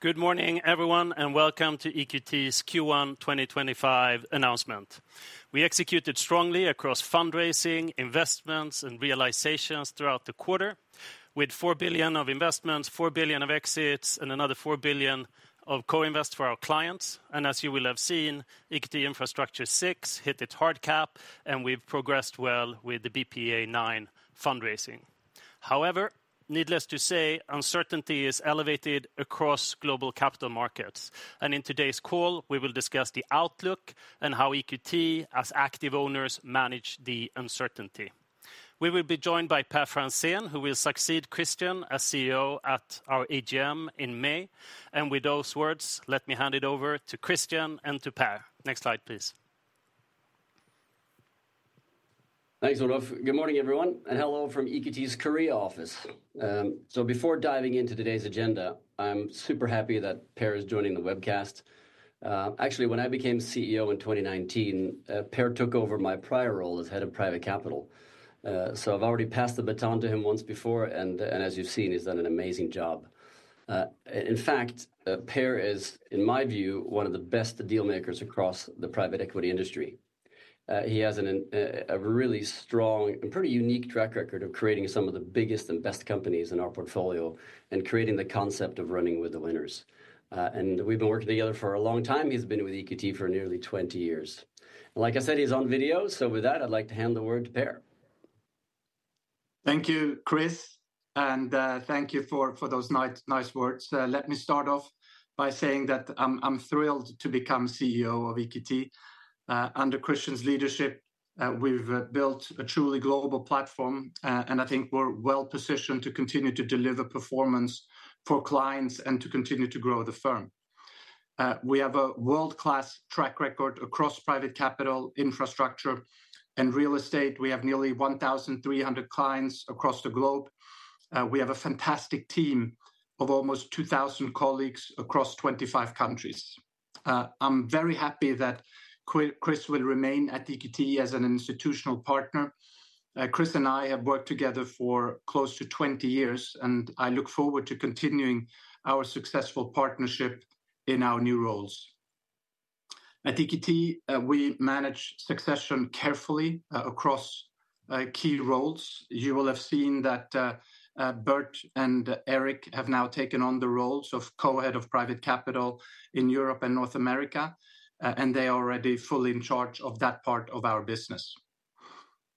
Good morning, everyone, and welcome to EQT's Q1 2025 announcement. We executed strongly across fundraising, investments, and realizations throughout the quarter, with $4 billion of investments, $4 billion of exits, and another $4 billion of co-invest for our clients. As you will have seen, EQT Infrastructure VI hit its hard cap, and we have progressed well with the BPEA IX fundraising. Needless to say, uncertainty is elevated across global capital markets. In today's call, we will discuss the outlook and how EQT, as active owners, manage the uncertainty. We will be joined by Per Franzén, who will succeed Christian as CEO at our AGM in May. With those words, let me hand it over to Christian and to Per. Next slide, please. Thanks, Olof. Good morning, everyone, and hello from EQT's Korea office. Before diving into today's agenda, I'm super happy that Per is joining the webcast. Actually, when I became CEO in 2019, Per took over my prior role as Head of Private Capital. I've already passed the baton to him once before, and as you've seen, he's done an amazing job. In fact, Per is, in my view, one of the best dealmakers across the private equity industry. He has a really strong and pretty unique track record of creating some of the biggest and best companies in our portfolio and creating the concept of running with the winners. We've been working together for a long time. He's been with EQT for nearly 20 years. Like I said, he's on video, so with that, I'd like to hand the word to Per. Thank you, Chris, and thank you for those nice words. Let me start off by saying that I'm thrilled to become CEO of EQT. Under Christian's leadership, we've built a truly global platform, and I think we're well positioned to continue to deliver performance for clients and to continue to grow the firm. We have a world-class track record across private capital infrastructure and real estate. We have nearly 1,300 clients across the globe. We have a fantastic team of almost 2,000 colleagues across 25 countries. I'm very happy that Chris will remain at EQT as an institutional partner. Chris and I have worked together for close to 20 years, and I look forward to continuing our successful partnership in our new roles. At EQT, we manage succession carefully across key roles. You will have seen that Bert and Eric have now taken on the roles of Co-Head of Private Capital in Europe and North America, and they are already fully in charge of that part of our business.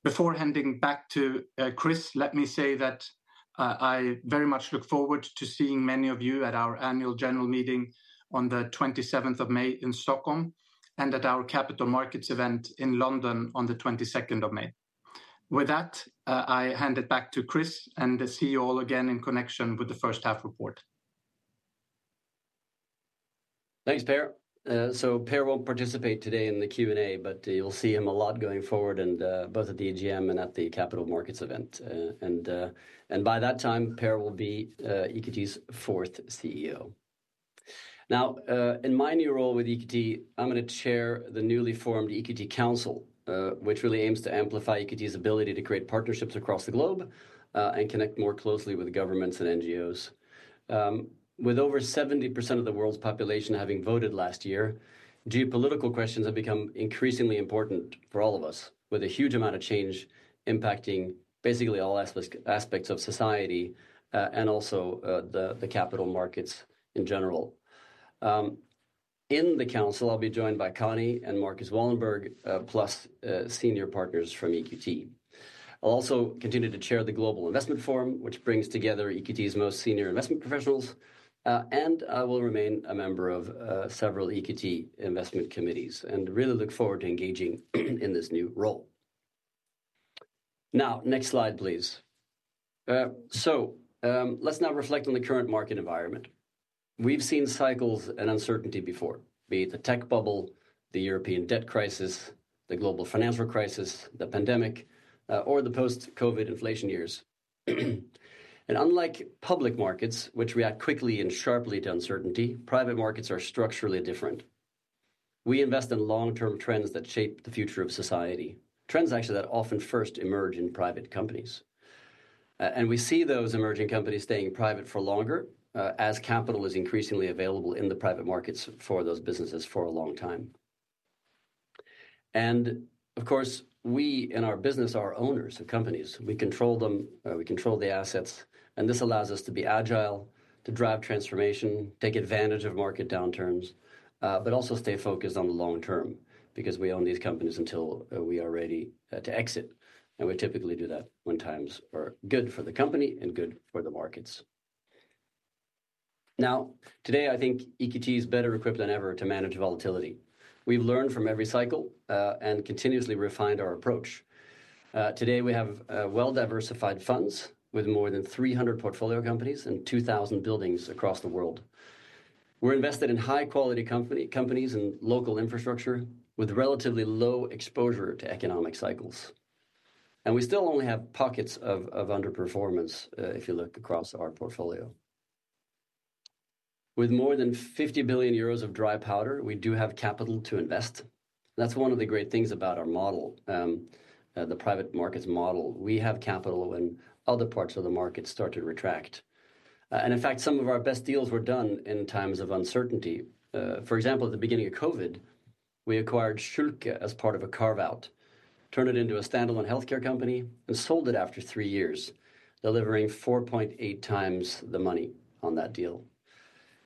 Before handing back to Chris, let me say that I very much look forward to seeing many of you at our annual general meeting on the 27th of May in Stockholm and at our capital markets event in London on the 22nd of May. With that, I hand it back to Chris and see you all again in connection with the first half report. Thanks, Per. Per won't participate today in the Q&A, but you'll see him a lot going forward, both at the AGM and at the capital markets event. By that time, Per will be EQT's fourth CEO. Now, in my new role with EQT, I'm going to chair the newly formed EQT Council, which really aims to amplify EQT's ability to create partnerships across the globe and connect more closely with governments and NGOs. With over 70% of the world's population having voted last year, geopolitical questions have become increasingly important for all of us, with a huge amount of change impacting basically all aspects of society and also the capital markets in general. In the council, I'll be joined by David Khani and Markus Wallenberg, plus senior partners from EQT. I'll also continue to chair the Global Investment Forum, which brings together EQT's most senior investment professionals, and I will remain a member of several EQT investment committees and really look forward to engaging in this new role. Next slide, please. Let's now reflect on the current market environment. We've seen cycles and uncertainty before, be it the tech bubble, the European debt crisis, the global financial crisis, the pandemic, or the post-COVID inflation years. Unlike public markets, which react quickly and sharply to uncertainty, private markets are structurally different. We invest in long-term trends that shape the future of society, trends actually that often first emerge in private companies. We see those emerging companies staying private for longer as capital is increasingly available in the private markets for those businesses for a long time. Of course, we in our business are owners of companies. We control them, we control the assets, and this allows us to be agile, to drive transformation, take advantage of market downturns, but also stay focused on the long term because we own these companies until we are ready to exit. We typically do that when times are good for the company and good for the markets. Now, today, I think EQT is better equipped than ever to manage volatility. We have learned from every cycle and continuously refined our approach. Today, we have well-diversified funds with more than 300 portfolio companies and 2,000 buildings across the world. We are invested in high-quality companies and local infrastructure with relatively low exposure to economic cycles. We still only have pockets of underperformance if you look across our portfolio. With more than 50 billion euros of dry powder, we do have capital to invest. That's one of the great things about our model, the private markets model. We have capital when other parts of the market start to retract. In fact, some of our best deals were done in times of uncertainty. For example, at the beginning of COVID, we acquired Schülke as part of a carve-out, turned it into a standalone healthcare company, and sold it after three years, delivering 4.8 times the money on that deal.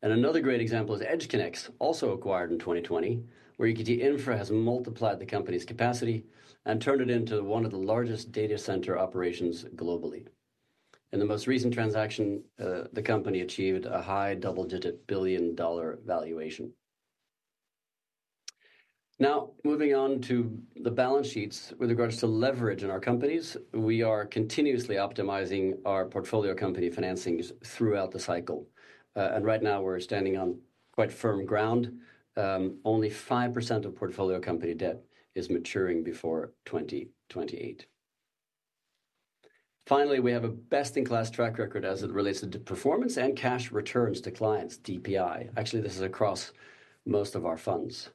Another great example is EdgeConneX, also acquired in 2020, where EQT Infrastructure has multiplied the company's capacity and turned it into one of the largest data center operations globally. In the most recent transaction, the company achieved a high double-digit billion-dollar valuation. Now, moving on to the balance sheets with regards to leverage in our companies, we are continuously optimizing our portfolio company financings throughout the cycle. Right now, we're standing on quite firm ground. Only 5% of portfolio company debt is maturing before 2028. Finally, we have a best-in-class track record as it relates to performance and cash returns to clients, DPI. Actually, this is across most of our funds.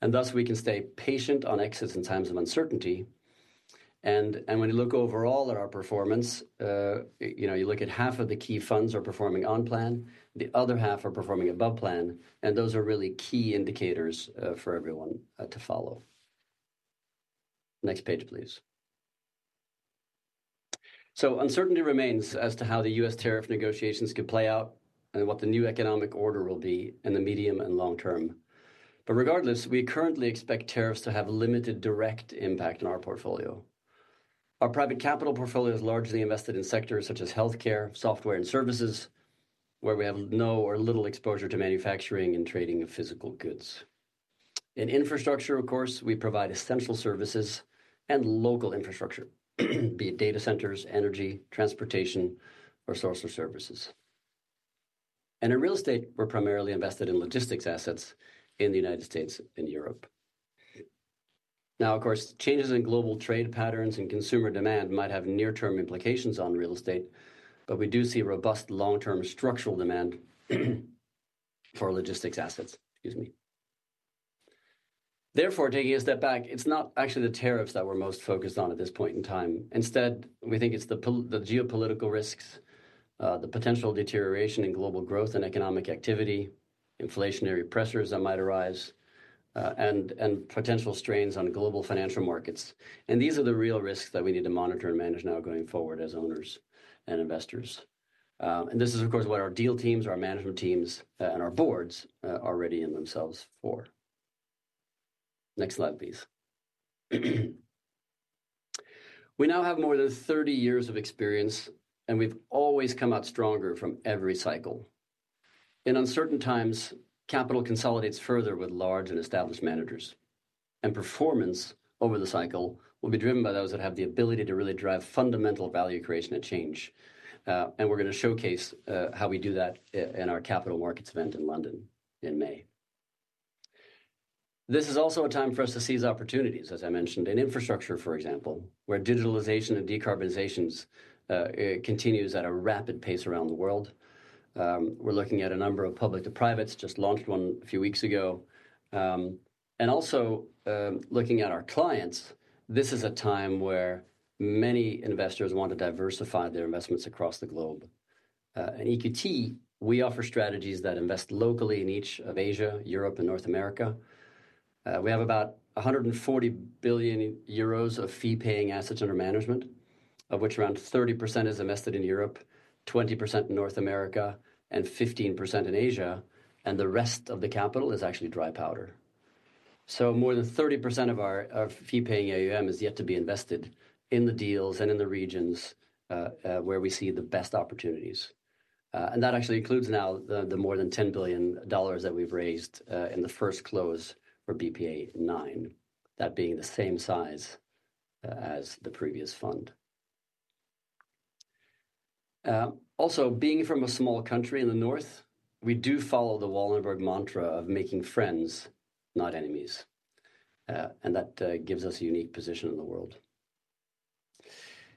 Thus, we can stay patient on exits in times of uncertainty. When you look overall at our performance, you look at half of the key funds are performing on plan, the other half are performing above plan, and those are really key indicators for everyone to follow. Next page, please. Uncertainty remains as to how the U.S. tariff negotiations could play out and what the new economic order will be in the medium and long term. Regardless, we currently expect tariffs to have limited direct impact on our portfolio. Our private capital portfolio is largely invested in sectors such as healthcare, software, and services, where we have no or little exposure to manufacturing and trading of physical goods. In infrastructure, of course, we provide essential services and local infrastructure, be it data centers, energy, transportation, or social services. In real estate, we're primarily invested in logistics assets in the United States and Europe. Now, of course, changes in global trade patterns and consumer demand might have near-term implications on real estate, but we do see robust long-term structural demand for logistics assets. Excuse me. Therefore, taking a step back, it's not actually the tariffs that we're most focused on at this point in time. Instead, we think it's the geopolitical risks, the potential deterioration in global growth and economic activity, inflationary pressures that might arise, and potential strains on global financial markets. These are the real risks that we need to monitor and manage now going forward as owners and investors. This is, of course, what our deal teams, our management teams, and our boards are readying themselves for. Next slide, please. We now have more than 30 years of experience, and we've always come out stronger from every cycle. In uncertain times, capital consolidates further with large and established managers, and performance over the cycle will be driven by those that have the ability to really drive fundamental value creation and change. We are going to showcase how we do that in our capital markets event in London in May. This is also a time for us to seize opportunities, as I mentioned, in infrastructure, for example, where digitalization and decarbonization continues at a rapid pace around the world. We're looking at a number of public-to-privates, just launched one a few weeks ago. Also looking at our clients, this is a time where many investors want to diversify their investments across the globe. In EQT, we offer strategies that invest locally in each of Asia, Europe, and North America. We have about 140 billion euros of fee-paying assets under management, of which around 30% is invested in Europe, 20% in North America, and 15% in Asia, and the rest of the capital is actually dry powder. More than 30% of our fee-paying AUM is yet to be invested in the deals and in the regions where we see the best opportunities. That actually includes now the more than $10 billion that we've raised in the first close for BPEA IX, that being the same size as the previous fund. Also, being from a small country in the north, we do follow the Wallenberg mantra of making friends, not enemies. That gives us a unique position in the world.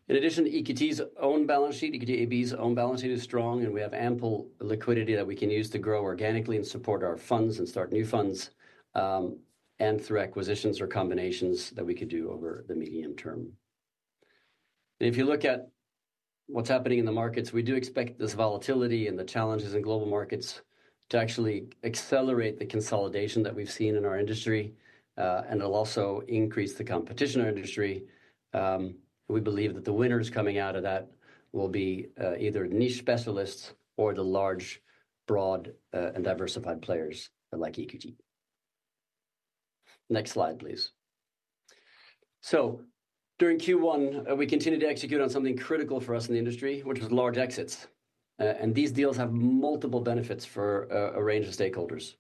In addition, EQT's own balance sheet, EQT AB's own balance sheet is strong, and we have ample liquidity that we can use to grow organically and support our funds and start new funds and through acquisitions or combinations that we could do over the medium term. If you look at what's happening in the markets, we do expect this volatility and the challenges in global markets to actually accelerate the consolidation that we've seen in our industry, and it'll also increase the competition in our industry. We believe that the winners coming out of that will be either niche specialists or the large, broad, and diversified players like EQT. Next slide, please. During Q1, we continue to execute on something critical for us in the industry, which was large exits. These deals have multiple benefits for a range of stakeholders.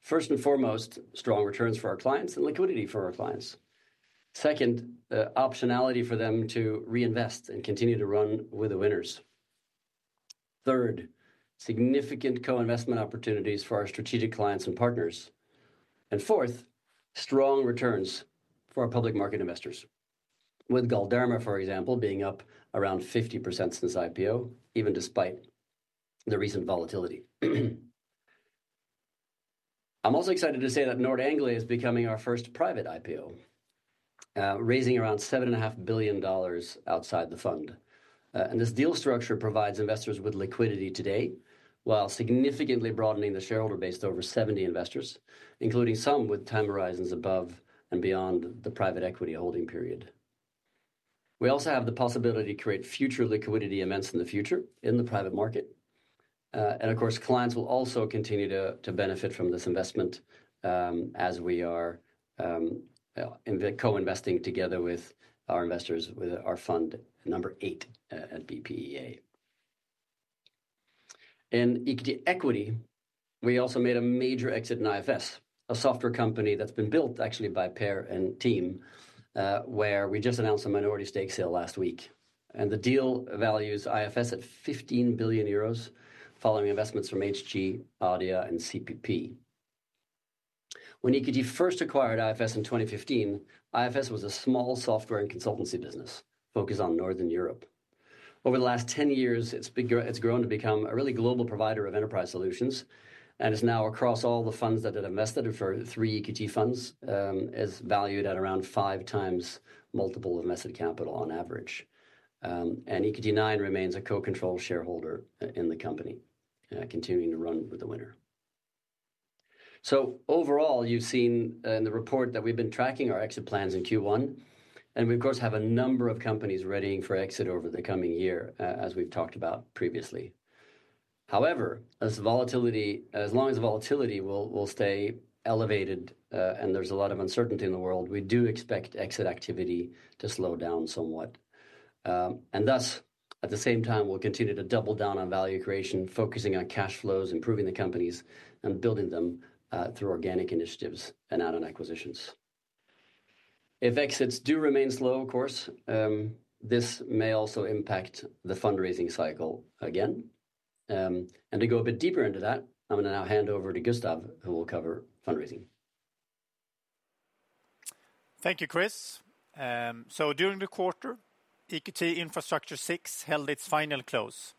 First and foremost, strong returns for our clients and liquidity for our clients. Second, optionality for them to reinvest and continue to run with the winners. Third, significant co-investment opportunities for our strategic clients and partners. Fourth, strong returns for our public market investors, with Galderma, for example, being up around 50% since IPO, even despite the recent volatility. I'm also excited to say that Nord Anglia is becoming our first private IPO, raising around $7.5 billion outside the fund. This deal structure provides investors with liquidity today while significantly broadening the shareholder base to over 70 investors, including some with time horizons above and beyond the private equity holding period. We also have the possibility to create future liquidity events in the future in the private market. Of course, clients will also continue to benefit from this investment as we are co-investing together with our investors with our fund number eight at BPEA. In EQT Equity, we also made a major exit in IFS, a software company that's been built actually by Per and team, where we just announced a minority stake sale last week. The deal values IFS at 15 billion euros following investments from HG, Audia, and CPP. When EQT first acquired IFS in 2015, IFS was a small software and consultancy business focused on Northern Europe. Over the last 10 years, it's grown to become a really global provider of enterprise solutions. It is now across all the funds that it invested for three EQT funds is valued at around five times multiple of invested capital on average. EQT 9 remains a co-controlled shareholder in the company, continuing to run with the winner. Overall, you've seen in the report that we've been tracking our exit plans in Q1. We, of course, have a number of companies readying for exit over the coming year, as we've talked about previously. However, as long as volatility will stay elevated and there's a lot of uncertainty in the world, we do expect exit activity to slow down somewhat. Thus, at the same time, we'll continue to double down on value creation, focusing on cash flows, improving the companies, and building them through organic initiatives and add-on acquisitions. If exits do remain slow, of course, this may also impact the fundraising cycle again. To go a bit deeper into that, I'm going to now hand over to Gustav, who will cover fundraising. Thank you, Chris. During the quarter, EQT Infrastructure VI held its final close.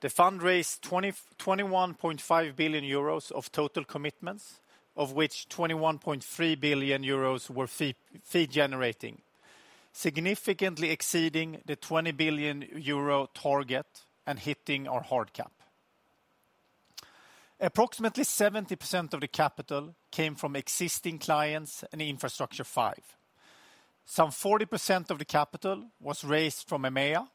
The fund raised 21.5 billion euros of total commitments, of which 21.3 billion euros were fee-generating, significantly exceeding the 20 billion euro target and hitting our hard cap. Approximately 70% of the capital came from existing clients in Infrastructure V. Some 40% of the capital was raised from EMEA,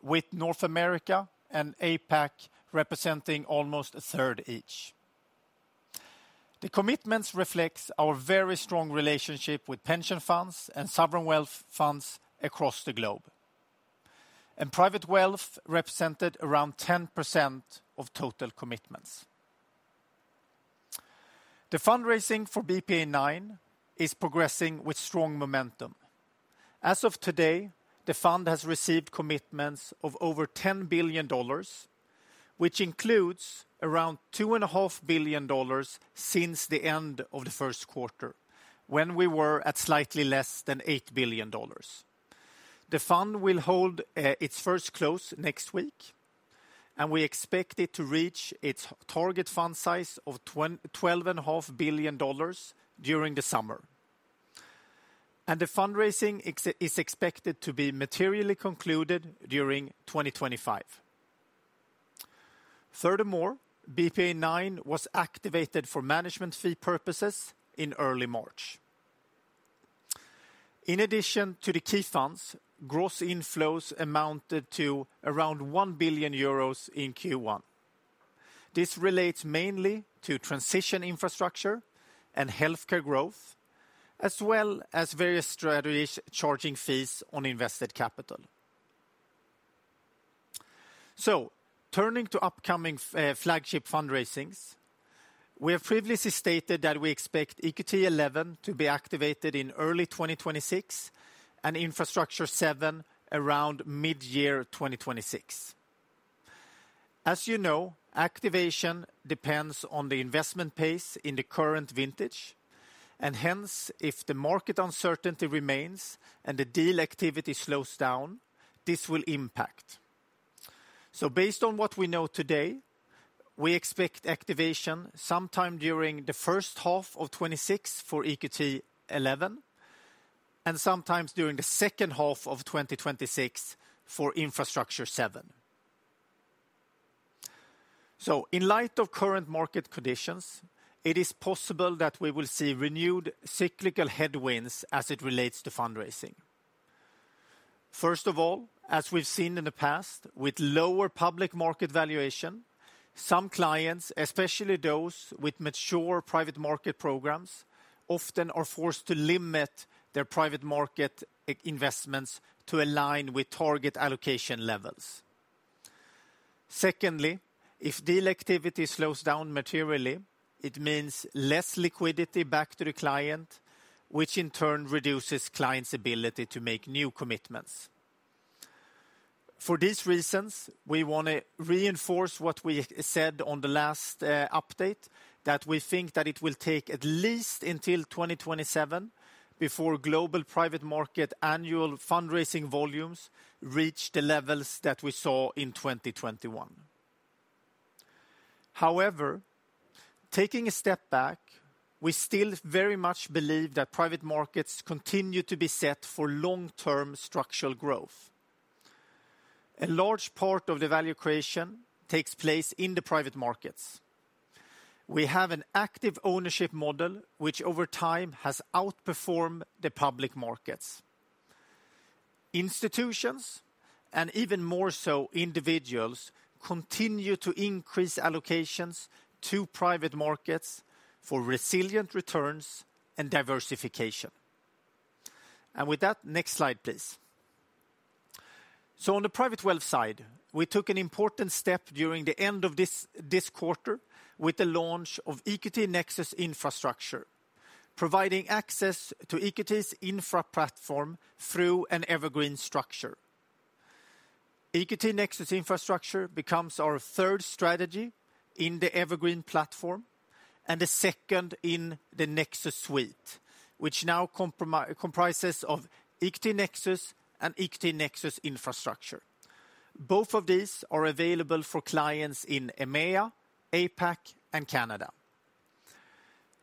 with North America and APAC representing almost a third each. The commitments reflect our very strong relationship with pension funds and sovereign wealth funds across the globe. Private wealth represented around 10% of total commitments. The fundraising for BPEA IX is progressing with strong momentum. As of today, the fund has received commitments of over $10 billion, which includes around $2.5 billion since the end of the first quarter, when we were at slightly less than $8 billion. The fund will hold its first close next week, and we expect it to reach its target fund size of $12.5 billion during the summer. The fundraising is expected to be materially concluded during 2025. Furthermore, BPEA IX was activated for management fee purposes in early March. In addition to the key funds, gross inflows amounted to around 1 billion euros in Q1. This relates mainly to transition infrastructure and healthcare growth, as well as various strategies charging fees on invested capital. Turning to upcoming flagship fundraisings, we have previously stated that we expect EQT XI to be activated in early 2026 and EQT Infrastructure VII around mid-year 2026. As you know, activation depends on the investment pace in the current vintage. Hence, if the market uncertainty remains and the deal activity slows down, this will impact. Based on what we know today, we expect activation sometime during the first half of 2026 for EQT XI and sometime during the second half of 2026 for EQT Infrastructure VII. In light of current market conditions, it is possible that we will see renewed cyclical headwinds as it relates to fundraising. First of all, as we've seen in the past, with lower public market valuation, some clients, especially those with mature private market programs, often are forced to limit their private market investments to align with target allocation levels. Secondly, if deal activity slows down materially, it means less liquidity back to the client, which in turn reduces clients' ability to make new commitments. For these reasons, we want to reinforce what we said on the last update, that we think that it will take at least until 2027 before global private market annual fundraising volumes reach the levels that we saw in 2021. However, taking a step back, we still very much believe that private markets continue to be set for long-term structural growth. A large part of the value creation takes place in the private markets. We have an active ownership model, which over time has outperformed the public markets. Institutions, and even more so individuals, continue to increase allocations to private markets for resilient returns and diversification. With that, next slide, please. On the private wealth side, we took an important step during the end of this quarter with the launch of EQT Nexus Infrastructure, providing access to EQT's infra platform through an evergreen structure. EQT Nexus Infrastructure becomes our third strategy in the evergreen platform and the second in the Nexus suite, which now comprises of EQT Nexus and EQT Nexus Infrastructure. Both of these are available for clients in EMEA, APAC, and Canada.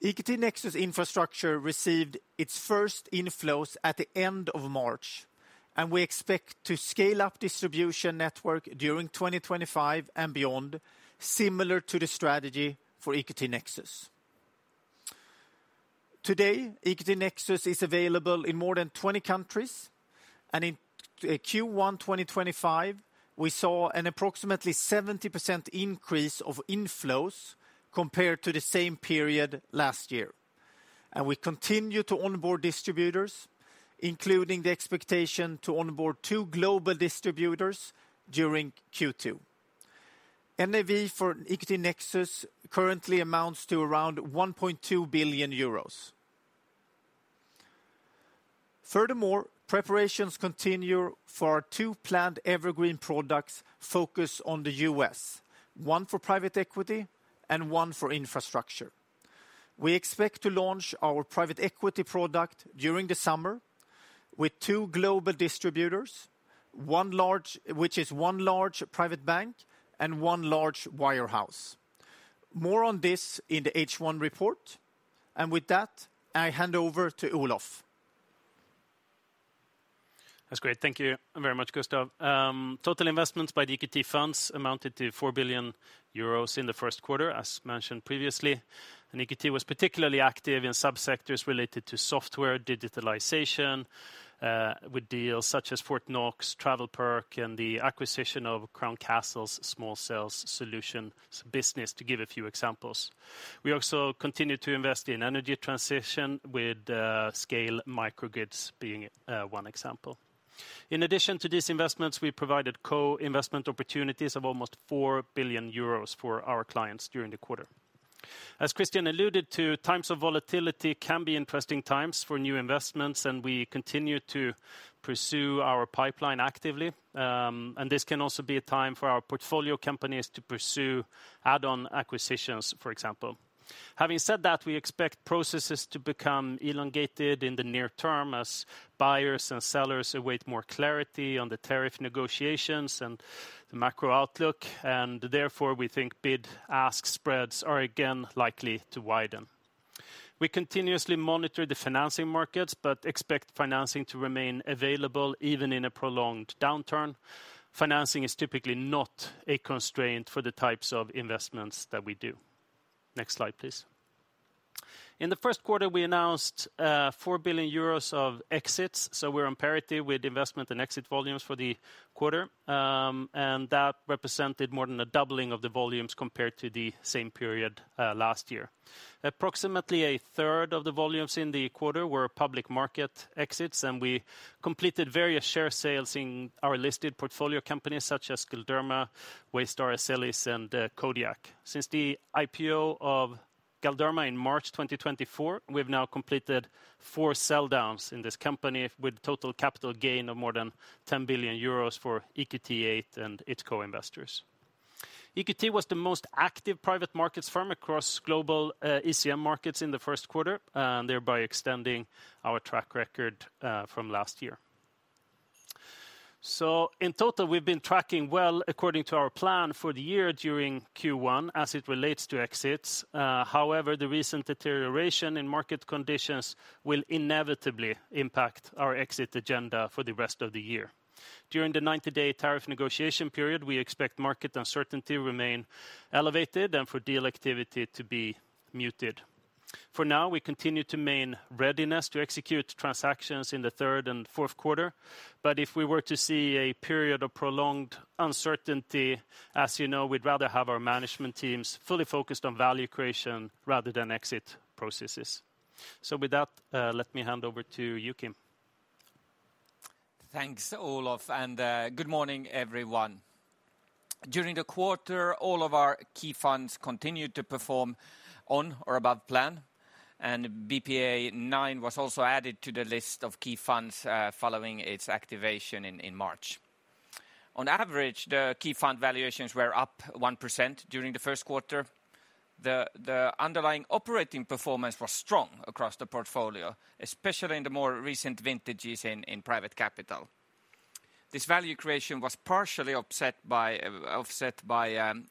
EQT Nexus Infrastructure received its first inflows at the end of March, and we expect to scale up distribution network during 2025 and beyond, similar to the strategy for EQT Nexus. Today, EQT Nexus is available in more than 20 countries. In Q1 2025, we saw an approximately 70% increase of inflows compared to the same period last year. We continue to onboard distributors, including the expectation to onboard two global distributors during Q2. NAV for EQT Nexus currently amounts to around 1.2 billion euros. Furthermore, preparations continue for our two planned evergreen products focused on the U.S., one for private equity and one for infrastructure. We expect to launch our private equity product during the summer with two global distributors, which is one large private bank and one large wirehouse. More on this in the H1 report. With that, I hand over to Olof. That's great. Thank you very much, Gustav. Total investments by the EQT funds amounted to 4 billion euros in the first quarter, as mentioned previously. EQT was particularly active in subsectors related to software digitalization, with deals such as Fort Knox, TravelPerk, and the acquisition of Crown Castle's small sales solution business, to give a few examples. We also continue to invest in energy transition, with Scale Microgrids being one example. In addition to these investments, we provided co-investment opportunities of almost 4 billion euros for our clients during the quarter. As Christian alluded to, times of volatility can be interesting times for new investments, and we continue to pursue our pipeline actively. This can also be a time for our portfolio companies to pursue add-on acquisitions, for example. Having said that, we expect processes to become elongated in the near term as buyers and sellers await more clarity on the tariff negotiations and the macro outlook. Therefore, we think bid-ask spreads are again likely to widen. We continuously monitor the financing markets, but expect financing to remain available even in a prolonged downturn. Financing is typically not a constraint for the types of investments that we do. Next slide, please. In the first quarter, we announced 4 billion euros of exits. We are on parity with investment and exit volumes for the quarter. That represented more than a doubling of the volumes compared to the same period last year. Approximately a third of the volumes in the quarter were public market exits, and we completed various share sales in our listed portfolio companies such as Galderma, Waystar, Asselas, and Kodiak. Since the IPO of Galderma in March 2024, we've now completed four sell-downs in this company with a total capital gain of more than 10 billion euros for EQT VIII and its co-investors. EQT was the most active private markets firm across global ECM markets in the first quarter, thereby extending our track record from last year. In total, we've been tracking well, according to our plan for the year during Q1, as it relates to exits. However, the recent deterioration in market conditions will inevitably impact our exit agenda for the rest of the year. During the 90-day tariff negotiation period, we expect market uncertainty to remain elevated and for deal activity to be muted. For now, we continue to maintain readiness to execute transactions in the third and fourth quarter. If we were to see a period of prolonged uncertainty, as you know, we'd rather have our management teams fully focused on value creation rather than exit processes. With that, let me hand over to you, Kim. Thanks, Olof, and good morning, everyone. During the quarter, all of our key funds continued to perform on or above plan, and BPA 9 was also added to the list of key funds following its activation in March. On average, the key fund valuations were up 1% during the first quarter. The underlying operating performance was strong across the portfolio, especially in the more recent vintages in private capital. This value creation was partially offset by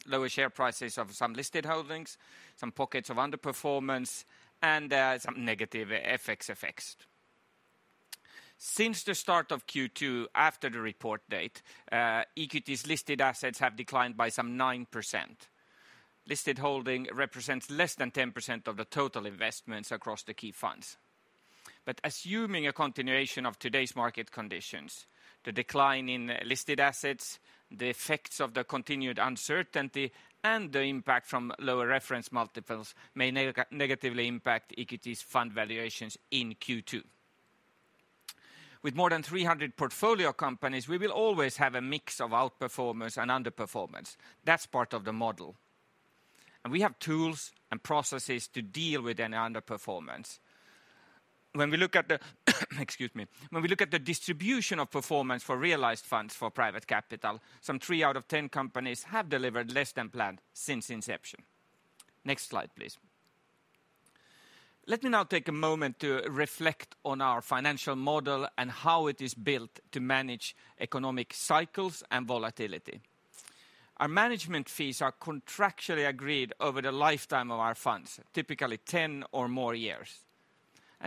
lower share prices of some listed holdings, some pockets of underperformance, and some negative FX effects. Since the start of Q2, after the report date, EQT's listed assets have declined by some 9%. Listed holding represents less than 10% of the total investments across the key funds. Assuming a continuation of today's market conditions, the decline in listed assets, the effects of the continued uncertainty, and the impact from lower reference multiples may negatively impact EQT's fund valuations in Q2. With more than 300 portfolio companies, we will always have a mix of outperformance and underperformance. That's part of the model. We have tools and processes to deal with any underperformance. When we look at the, excuse me, when we look at the distribution of performance for realized funds for private capital, some 3 out of 10 companies have delivered less than planned since inception. Next slide, please. Let me now take a moment to reflect on our financial model and how it is built to manage economic cycles and volatility. Our management fees are contractually agreed over the lifetime of our funds, typically 10 or more years.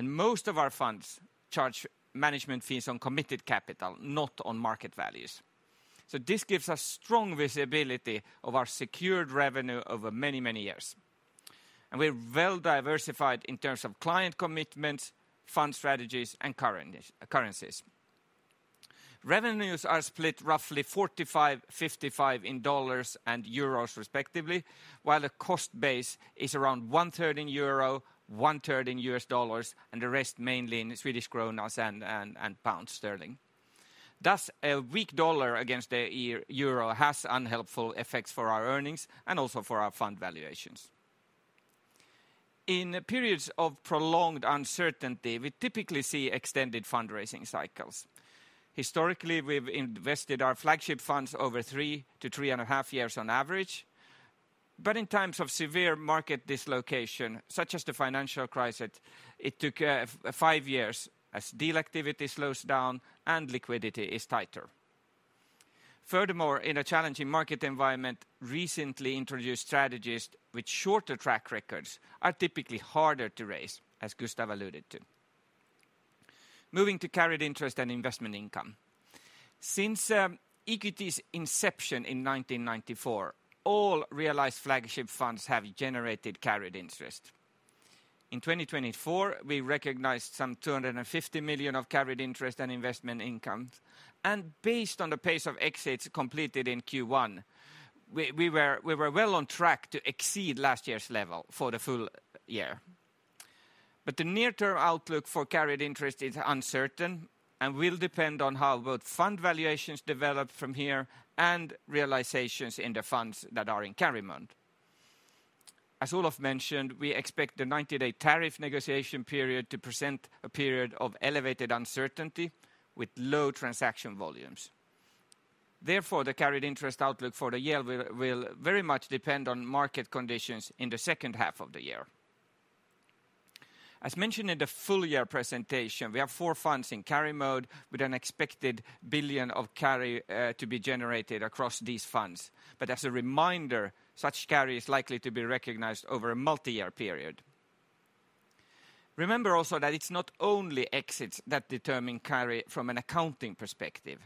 Most of our funds charge management fees on committed capital, not on market values. This gives us strong visibility of our secured revenue over many, many years. We are well diversified in terms of client commitments, fund strategies, and currencies. Revenues are split roughly 45, 55 in dollars and euros, respectively, while the cost base is around one-third in euro, one-third in U.S. dollars, and the rest mainly in Swedish kronor and pound sterling. Thus, a weak dollar against the euro has unhelpful effects for our earnings and also for our fund valuations. In periods of prolonged uncertainty, we typically see extended fundraising cycles. Historically, we've invested our flagship funds over three to three and a half years on average. In times of severe market dislocation, such as the financial crisis, it took five years as deal activity slows down and liquidity is tighter. Furthermore, in a challenging market environment, recently introduced strategies with shorter track records are typically harder to raise, as Gustav alluded to. Moving to carried interest and investment income. Since EQT's inception in 1994, all realized flagship funds have generated carried interest. In 2024, we recognized some $250 million of carried interest and investment income. Based on the pace of exits completed in Q1, we were well on track to exceed last year's level for the full year. The near-term outlook for carried interest is uncertain and will depend on how both fund valuations develop from here and realizations in the funds that are in carry mount. As Olof mentioned, we expect the 90-day tariff negotiation period to present a period of elevated uncertainty with low transaction volumes. Therefore, the carried interest outlook for the year will very much depend on market conditions in the second half of the year. As mentioned in the full year presentation, we have four funds in carry mode with an expected $1 billion of carry to be generated across these funds. As a reminder, such carry is likely to be recognized over a multi-year period. Remember also that it's not only exits that determine carry from an accounting perspective.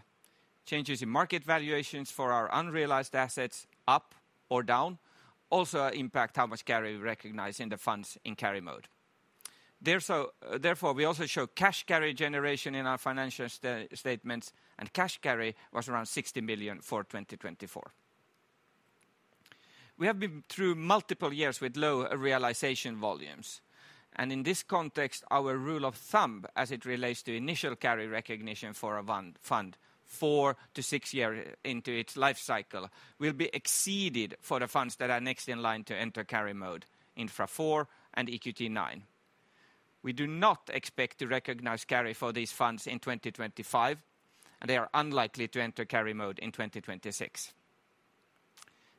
Changes in market valuations for our unrealized assets, up or down, also impact how much carry we recognize in the funds in carry mode. Therefore, we also show cash carry generation in our financial statements, and cash carry was around $60 million for 2024. We have been through multiple years with low realization volumes. In this context, our rule of thumb, as it relates to initial carry recognition for a fund four to six years into its life cycle, will be exceeded for the funds that are next in line to enter carry mode, Infra 4 and EQT 9. We do not expect to recognize carry for these funds in 2025, and they are unlikely to enter carry mode in 2026.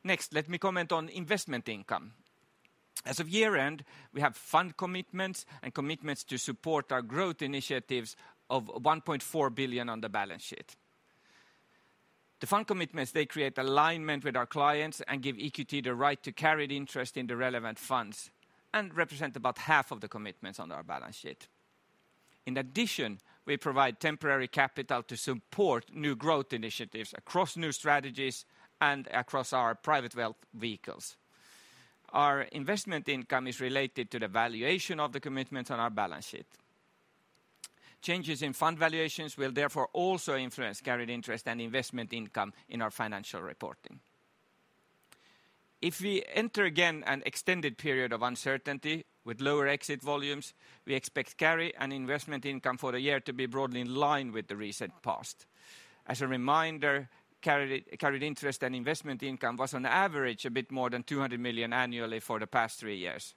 Next, let me comment on investment income. As of year-end, we have fund commitments and commitments to support our growth initiatives of €1.4 billion on the balance sheet. The fund commitments, they create alignment with our clients and give EQT the right to carried interest in the relevant funds and represent about half of the commitments on our balance sheet. In addition, we provide temporary capital to support new growth initiatives across new strategies and across our private wealth vehicles. Our investment income is related to the valuation of the commitments on our balance sheet. Changes in fund valuations will therefore also influence carried interest and investment income in our financial reporting. If we enter again an extended period of uncertainty with lower exit volumes, we expect carry and investment income for the year to be broadly in line with the recent past. As a reminder, carried interest and investment income was on average a bit more than $200 million annually for the past three years.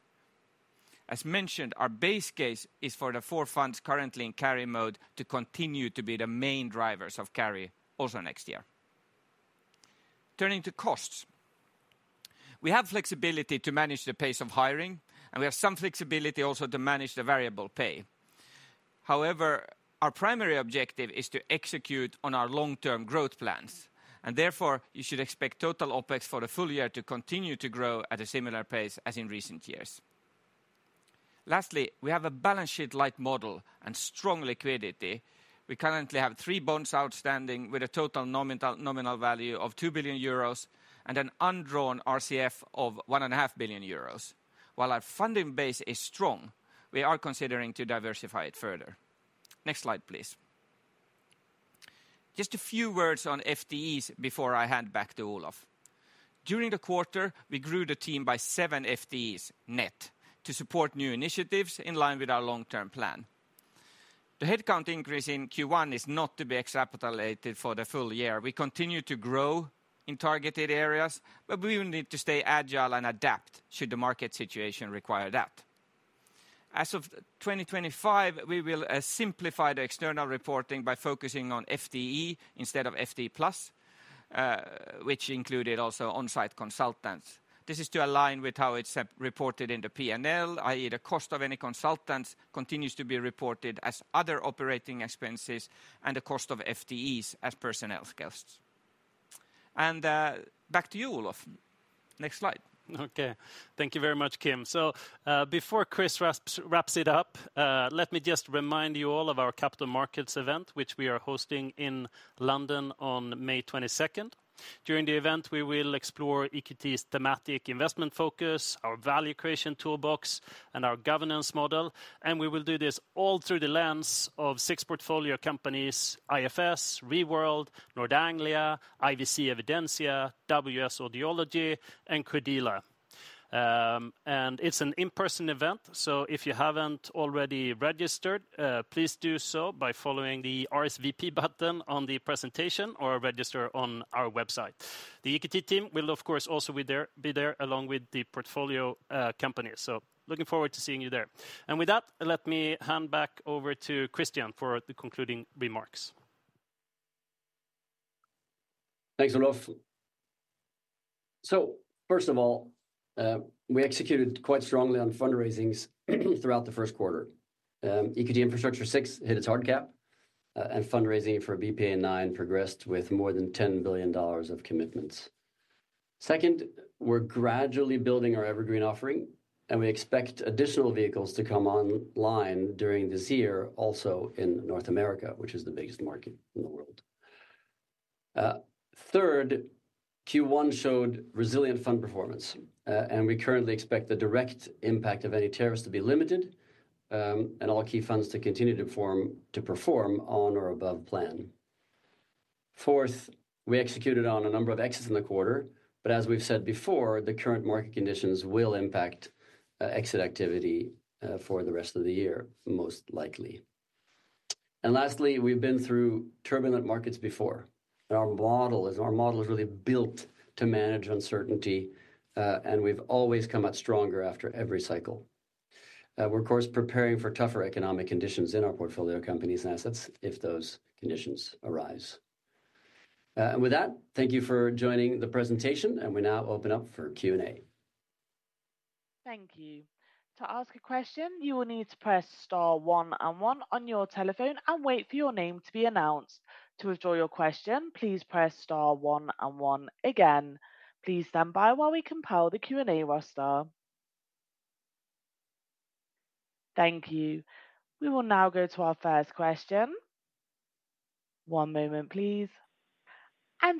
As mentioned, our base case is for the four funds currently in carry mode to continue to be the main drivers of carry also next year. Turning to costs, we have flexibility to manage the pace of hiring, and we have some flexibility also to manage the variable pay. However, our primary objective is to execute on our long-term growth plans, and therefore you should expect total OpEx for the full year to continue to grow at a similar pace as in recent years. Lastly, we have a balance sheet-like model and strong liquidity. We currently have three bonds outstanding with a total nominal value of 2 billion euros and an undrawn RCF of 1.5 billion euros. While our funding base is strong, we are considering to diversify it further. Next slide, please. Just a few words on FTEs before I hand back to Olof. During the quarter, we grew the team by seven FTEs net to support new initiatives in line with our long-term plan. The headcount increase in Q1 is not to be extrapolated for the full year. We continue to grow in targeted areas, but we will need to stay agile and adapt should the market situation require that. As of 2025, we will simplify the external reporting by focusing on FTE instead of FT+, which included also on-site consultants. This is to align with how it's reported in the P&L, i.e., the cost of any consultants continues to be reported as other operating expenses and the cost of FTEs as personnel costs. Back to you, Olof. Next slide. Okay, thank you very much, Kim. Before Chris wraps it up, let me just remind you all of our Capital Markets event, which we are hosting in London on May 22nd. During the event, we will explore EQT's thematic investment focus, our value creation toolbox, and our governance model. We will do this all through the lens of six portfolio companies: IFS, Reworld, Nord Anglia, IVC Evidensia, WS Audiology, and Credila. It is an in-person event, so if you haven't already registered, please do so by following the RSVP button on the presentation or register on our website. The EQT team will, of course, also be there along with the portfolio companies. Looking forward to seeing you there. With that, let me hand back over to Christian for the concluding remarks. Thanks, Olof. First of all, we executed quite strongly on fundraisings throughout the first quarter. EQT Infrastructure VI hit its hard cap, and fundraising for BPEA IX progressed with more than $10 billion of commitments. Second, we're gradually building our evergreen offering, and we expect additional vehicles to come online during this year, also in North America, which is the biggest market in the world. Third, Q1 showed resilient fund performance, and we currently expect the direct impact of any tariffs to be limited and all key funds to continue to perform on or above plan. Fourth, we executed on a number of exits in the quarter, but as we have said before, the current market conditions will impact exit activity for the rest of the year, most likely. Lastly, we have been through turbulent markets before, and our model is really built to manage uncertainty, and we have always come out stronger after every cycle. We are, of course, preparing for tougher economic conditions in our portfolio companies and assets if those conditions arise. With that, thank you for joining the presentation, and we now open up for Q&A. Thank you. To ask a question, you will need to press star one and one on your telephone and wait for your name to be announced. To withdraw your question, please press star one and one again. Please stand by while we compile the Q&A roster. Thank you. We will now go to our first question. One moment, please.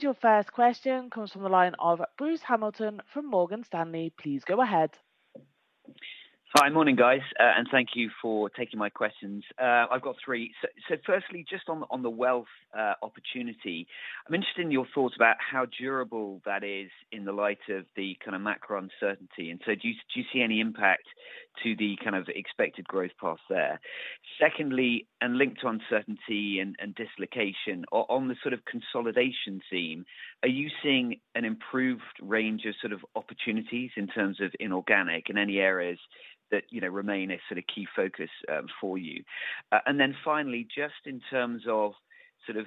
Your first question comes from the line of Bruce Hamilton from Morgan Stanley. Please go ahead. Hi, morning, guys, and thank you for taking my questions. I've got three. Firstly, just on the wealth opportunity, I'm interested in your thoughts about how durable that is in the light of the kind of macro uncertainty. Do you see any impact to the kind of expected growth path there? Secondly, linked to uncertainty and dislocation on the sort of consolidation theme, are you seeing an improved range of sort of opportunities in terms of inorganic in any areas that remain a sort of key focus for you? Finally, just in terms of sort of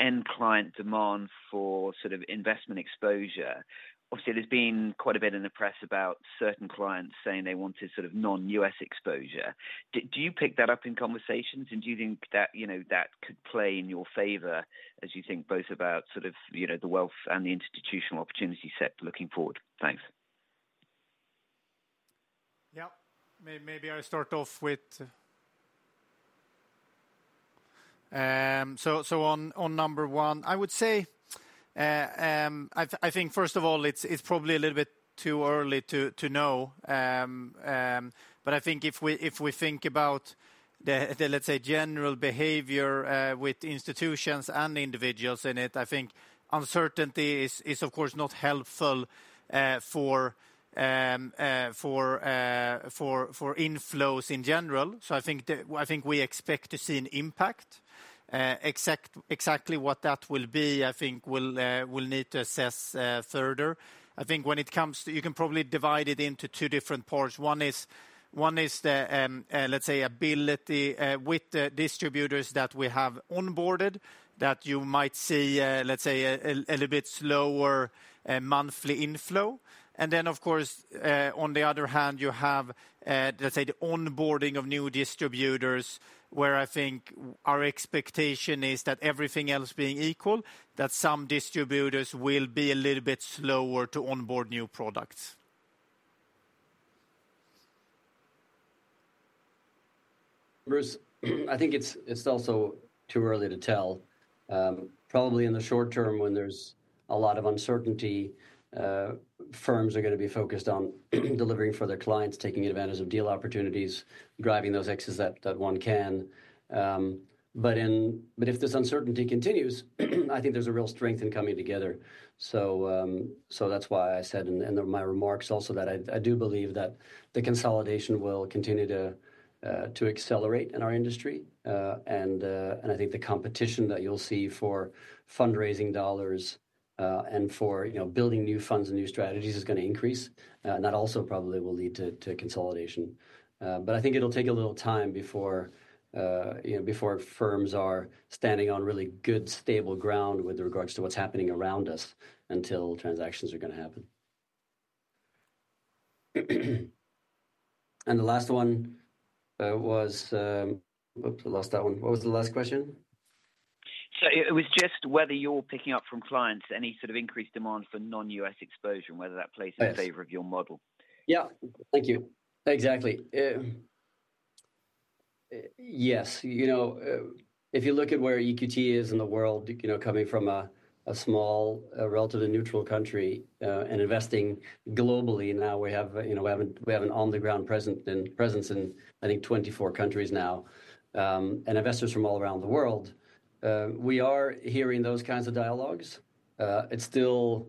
end client demand for sort of investment exposure, obviously there's been quite a bit in the press about certain clients saying they wanted sort of non-U.S. exposure. Do you pick that up in conversations, and do you think that that could play in your favor as you think both about sort of the wealth and the institutional opportunity set looking forward? Thanks. Yeah, maybe I start off with. On number one, I would say I think first of all, it's probably a little bit too early to know. I think if we think about the, let's say, general behavior with institutions and individuals in it, I think uncertainty is, of course, not helpful for inflows in general. I think we expect to see an impact. Exactly what that will be, I think we'll need to assess further. I think when it comes to, you can probably divide it into two different parts. One is, let's say, ability with the distributors that we have onboarded that you might see, let's say, a little bit slower monthly inflow. Then, of course, on the other hand, you have, let's say, the onboarding of new distributors where I think our expectation is that everything else being equal, that some distributors will be a little bit slower to onboard new products. Bruce, I think it's also too early to tell. Probably in the short term when there's a lot of uncertainty, firms are going to be focused on delivering for their clients, taking advantage of deal opportunities, driving those exits that one can. If this uncertainty continues, I think there's a real strength in coming together. That is why I said in my remarks also that I do believe that the consolidation will continue to accelerate in our industry. I think the competition that you'll see for fundraising dollars and for building new funds and new strategies is going to increase. That also probably will lead to consolidation. I think it'll take a little time before firms are standing on really good stable ground with regards to what's happening around us until transactions are going to happen. The last one was, oops, I lost that one. What was the last question? It was just whether you're picking up from clients any sort of increased demand for non-U.S. exposure, and whether that plays in favor of your model? Yeah, thank you. Exactly. Yes. If you look at where EQT is in the world, coming from a small, relatively neutral country and investing globally, now we have an on-the-ground presence in, I think, 24 countries now and investors from all around the world. We are hearing those kinds of dialogues. It's still,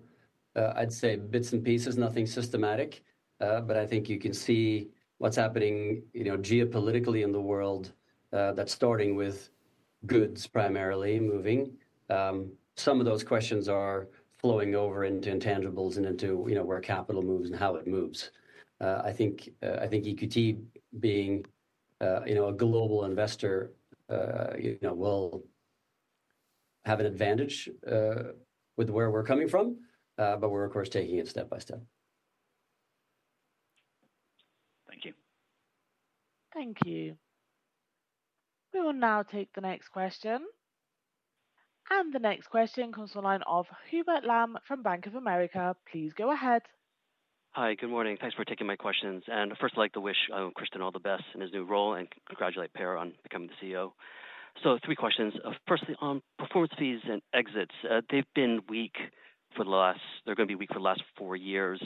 I'd say, bits and pieces, nothing systematic. I think you can see what's happening geopolitically in the world that's starting with goods primarily moving. Some of those questions are flowing over into intangibles and into where capital moves and how it moves. I think EQT, being a global investor, will have an advantage with where we're coming from, but we're, of course, taking it step by step. Thank you. Thank you. We will now take the next question. The next question comes from the line of Hubert Lam from Bank of America. Please go ahead. Hi, good morning. Thanks for taking my questions. First, I'd like to wish Christian all the best in his new role and congratulate Per on becoming the CEO. Three questions. Firstly, on performance fees and exits. They've been weak for the last, they're going to be weak for the last four years.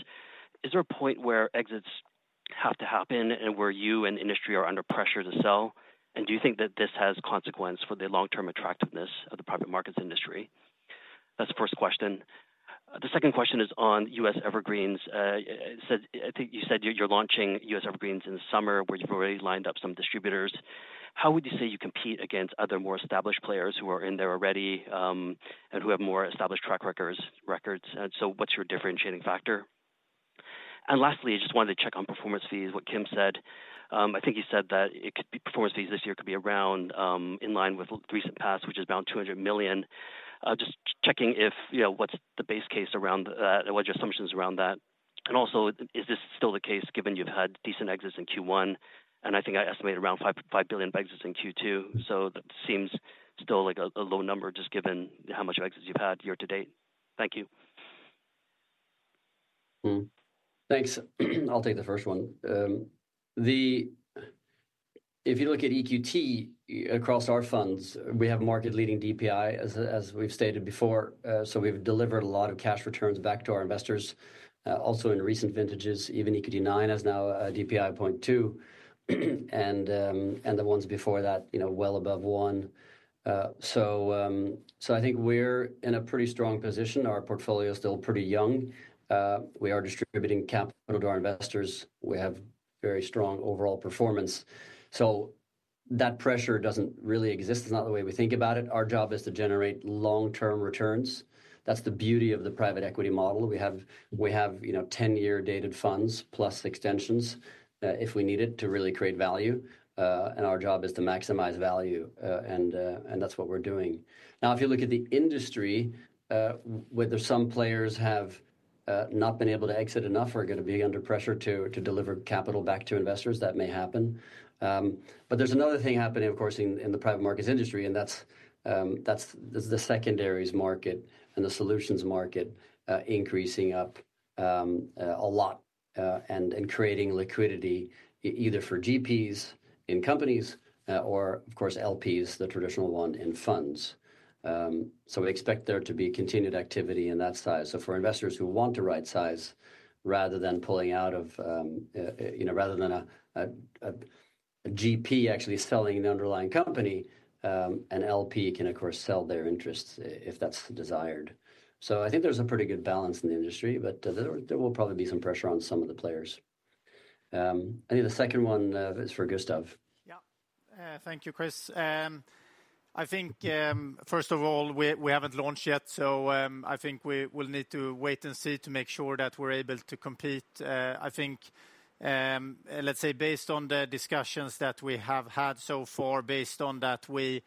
Is there a point where exits have to happen and where you and the industry are under pressure to sell? Do you think that this has consequences for the long-term attractiveness of the private markets industry? That's the first question. The second question is on US Evergreens. I think you said you're launching US Evergreens in the summer where you've already lined up some distributors. How would you say you compete against other more established players who are in there already and who have more established track records? What's your differentiating factor? Lastly, I just wanted to check on performance fees, what Kim said. I think he said that performance fees this year could be around in line with recent past, which is around $200 million. Just checking what's the base case around that, what are your assumptions around that? Also, is this still the case given you've had decent exits in Q1? I think I estimated around $5 billion exits in Q2. That seems still like a low number just given how much exits you've had year to date. Thank you. Thanks. I'll take the first one. If you look at EQT across our funds, we have a market-leading DPI, as we've stated before. We've delivered a lot of cash returns back to our investors. Also in recent vintages, even EQT 9 has now a DPI of 0.2. The ones before that, well above 1. I think we're in a pretty strong position. Our portfolio is still pretty young. We are distributing capital to our investors. We have very strong overall performance. That pressure doesn't really exist. It's not the way we think about it. Our job is to generate long-term returns. That's the beauty of the private equity model. We have 10-year dated funds plus extensions if we need it to really create value. Our job is to maximize value, and that's what we're doing. Now, if you look at the industry, whether some players have not been able to exit enough or are going to be under pressure to deliver capital back to investors, that may happen. There is another thing happening, of course, in the private markets industry, and that's the secondaries market and the solutions market increasing up a lot and creating liquidity either for GPs in companies or, of course, LPs, the traditional one in funds. We expect there to be continued activity in that size. For investors who want to right-size rather than pulling out of, rather than a GP actually selling the underlying company, an LP can, of course, sell their interests if that's desired. I think there's a pretty good balance in the industry, but there will probably be some pressure on some of the players. I think the second one is for Gustav. Yeah, thank you, Chris. I think, first of all, we haven't launched yet, so I think we'll need to wait and see to make sure that we're able to compete. I think, let's say, based on the discussions that we have had so far, based on that we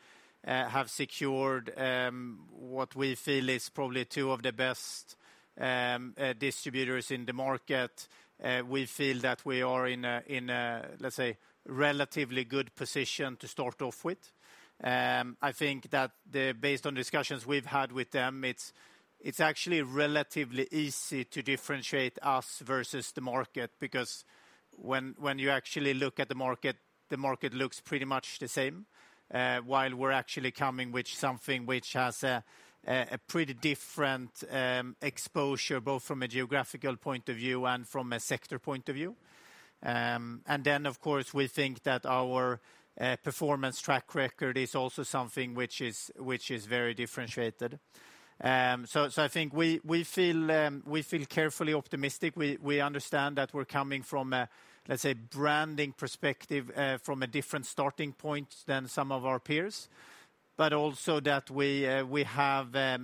have secured what we feel is probably two of the best distributors in the market, we feel that we are in a, let's say, relatively good position to start off with. I think that based on discussions we've had with them, it's actually relatively easy to differentiate us versus the market because when you actually look at the market, the market looks pretty much the same while we're actually coming with something which has a pretty different exposure both from a geographical point of view and from a sector point of view. Of course, we think that our performance track record is also something which is very differentiated. I think we feel carefully optimistic. We understand that we're coming from a, let's say, branding perspective from a different starting point than some of our peers, but also that we have a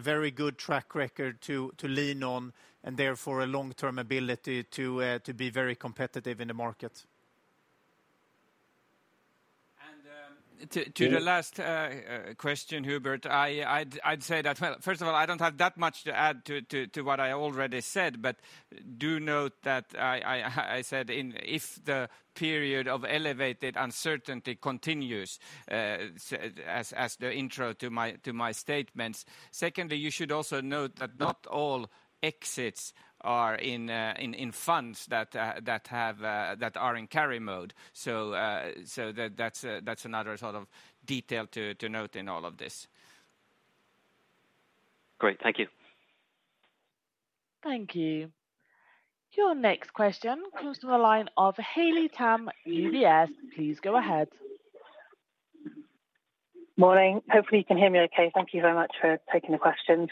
very good track record to lean on and therefore a long-term ability to be very competitive in the market. To the last question, Hubert, I'd say that, first of all, I don't have that much to add to what I already said, but do note that I said if the period of elevated uncertainty continues as the intro to my statements. Secondly, you should also note that not all exits are in funds that are in carry mode. So that's another sort of detail to note in all of this. Great. Thank you. Thank you. Your next question comes from the line of Haley Tam UBS. Please go ahead. Morning. Hopefully, you can hear me okay. Thank you very much for taking the questions.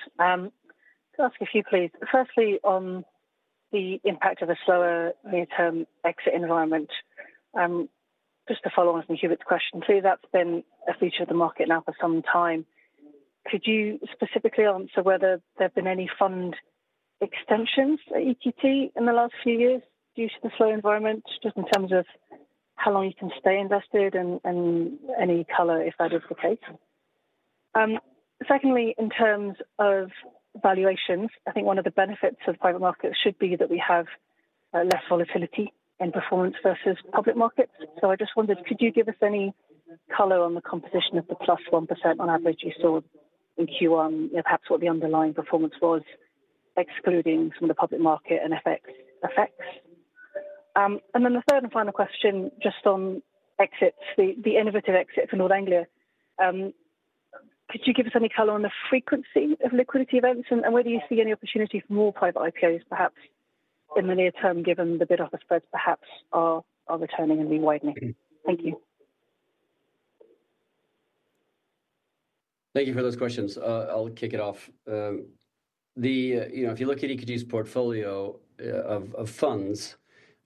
Could I ask a few, please? Firstly, on the impact of a slower near-term exit environment, just to follow on from Hubert's question, too, that's been a feature of the market now for some time. Could you specifically answer whether there have been any fund extensions at EQT in the last few years due to the slow environment, just in terms of how long you can stay invested and any color if that is the case? Secondly, in terms of valuations, I think one of the benefits of private markets should be that we have less volatility in performance versus public markets. I just wondered, could you give us any color on the composition of the plus 1% on average you saw in Q1, perhaps what the underlying performance was, excluding some of the public market and FX effects? The third and final question, just on exits, the innovative exit for Nord Anglia, could you give us any color on the frequency of liquidity events and whether you see any opportunity for more private IPOs, perhaps in the near term, given the bid-offer spreads perhaps are returning and rewidening? Thank you. Thank you for those questions. I'll kick it off. If you look at EQT's portfolio of funds,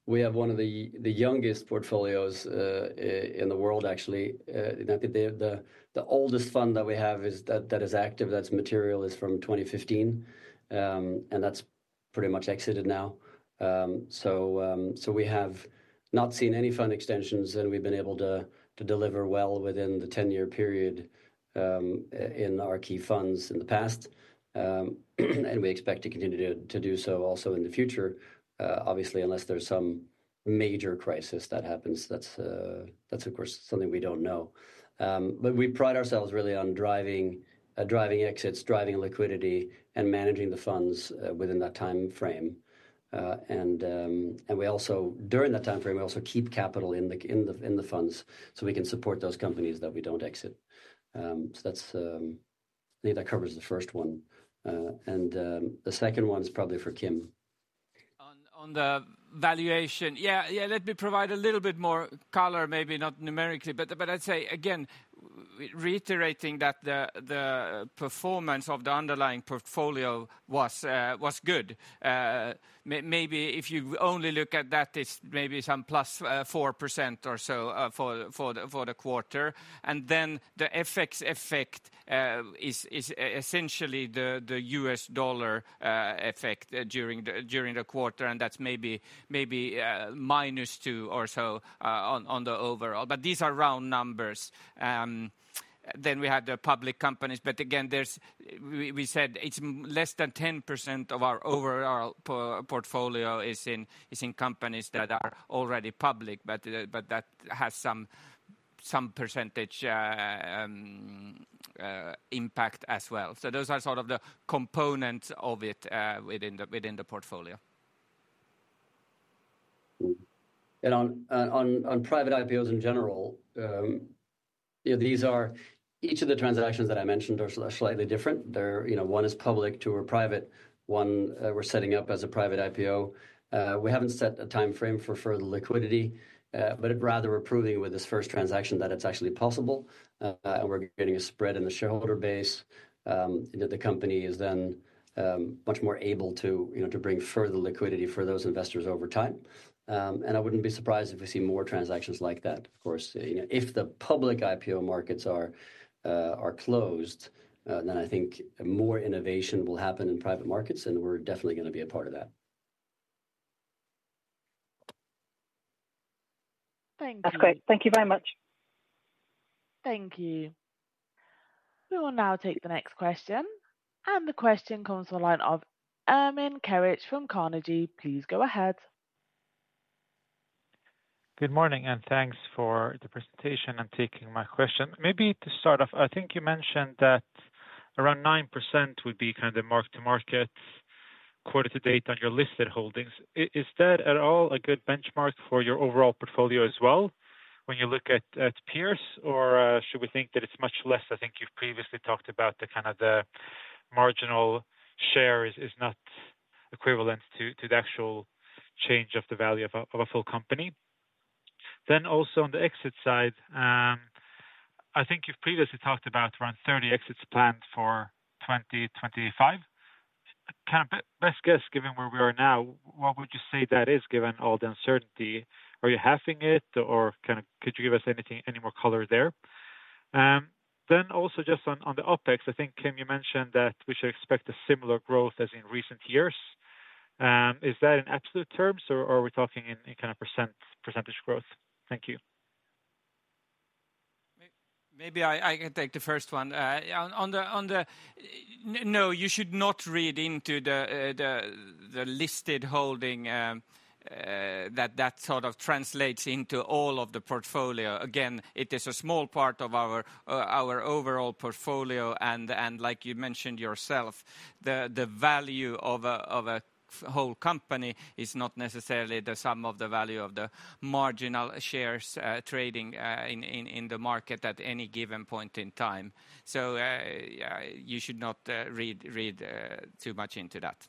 we have one of the youngest portfolios in the world, actually. The oldest fund that we have that is active, that's material, is from 2015, and that's pretty much exited now. We have not seen any fund extensions, and we've been able to deliver well within the 10-year period in our key funds in the past. We expect to continue to do so also in the future, obviously, unless there's some major crisis that happens. That's, of course, something we don't know. We pride ourselves really on driving exits, driving liquidity, and managing the funds within that time frame. During that time frame, we also keep capital in the funds so we can support those companies that we don't exit. I think that covers the first one. The second one is probably for Kim. On the valuation, yeah, yeah, let me provide a little bit more color, maybe not numerically, but I'd say, again, reiterating that the performance of the underlying portfolio was good. Maybe if you only look at that, it's maybe some +4% or so for the quarter. The FX effect is essentially the U.S. dollar effect during the quarter, and that's maybe -2% or so on the overall. These are round numbers. We had the public companies. Again, we said it's less than 10% of our overall portfolio is in companies that are already public, but that has some percentage impact as well. Those are sort of the components of it within the portfolio. On private IPOs in general, each of the transactions that I mentioned are slightly different. One is public to a private, one we're setting up as a private IPO. We haven't set a time frame for further liquidity, but rather we're proving with this first transaction that it's actually possible and we're getting a spread in the shareholder base. The company is then much more able to bring further liquidity for those investors over time. I wouldn't be surprised if we see more transactions like that, of course. If the public IPO markets are closed, then I think more innovation will happen in private markets, and we're definitely going to be a part of that. Thank you. That's great. Thank you very much. Thank you. We will now take the next question. The question comes from the line of Ermin Keric from Carnegie. Please go ahead. Good morning and thanks for the presentation and taking my question. Maybe to start off, I think you mentioned that around 9% would be kind of the mark-to-market quarter-to-date on your listed holdings. Is that at all a good benchmark for your overall portfolio as well when you look at peers, or should we think that it's much less? I think you've previously talked about the kind of the marginal share is not equivalent to the actual change of the value of a full company. Also on the exit side, I think you've previously talked about around 30 exits planned for 2025. Kind of best guess, given where we are now, what would you say that is given all the uncertainty? Are you halving it, or could you give us any more color there? Also just on the OpEx, I think, Kim, you mentioned that we should expect a similar growth as in recent years. Is that in absolute terms, or are we talking in kind of percentage growth? Thank you. Maybe I can take the first one. No, you should not read into the listed holding that sort of translates into all of the portfolio. Again, it is a small part of our overall portfolio. Like you mentioned yourself, the value of a whole company is not necessarily the sum of the value of the marginal shares trading in the market at any given point in time. You should not read too much into that.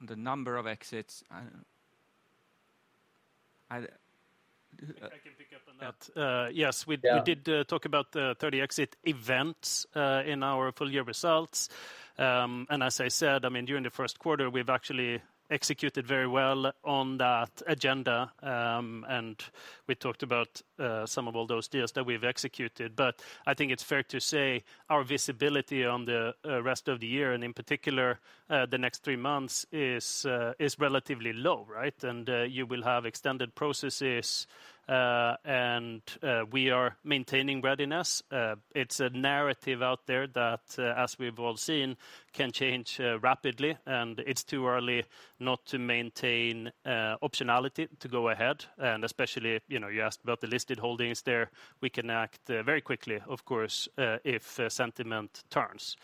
The number of exits. I can pick up on that. Yes, we did talk about the 30 exit events in our full year results. As I said, during the first quarter, we've actually executed very well on that agenda. We talked about some of all those deals that we've executed. I think it's fair to say our visibility on the rest of the year, and in particular the next three months, is relatively low, right? You will have extended processes, and we are maintaining readiness. It's a narrative out there that, as we've all seen, can change rapidly, and it's too early not to maintain optionality to go ahead. Especially you asked about the listed holdings there, we can act very quickly, of course, if sentiment turns.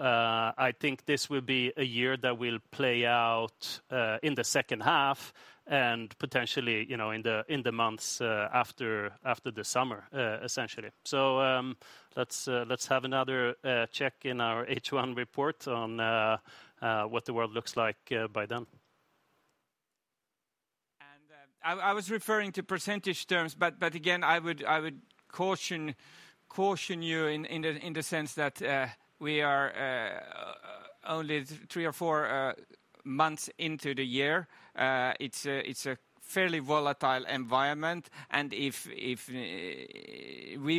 I think this will be a year that will play out in the second half and potentially in the months after the summer, essentially. Let's have another check in our H1 report on what the world looks like by then. I was referring to percentage terms, but again, I would caution you in the sense that we are only three or four months into the year. It's a fairly volatile environment, and we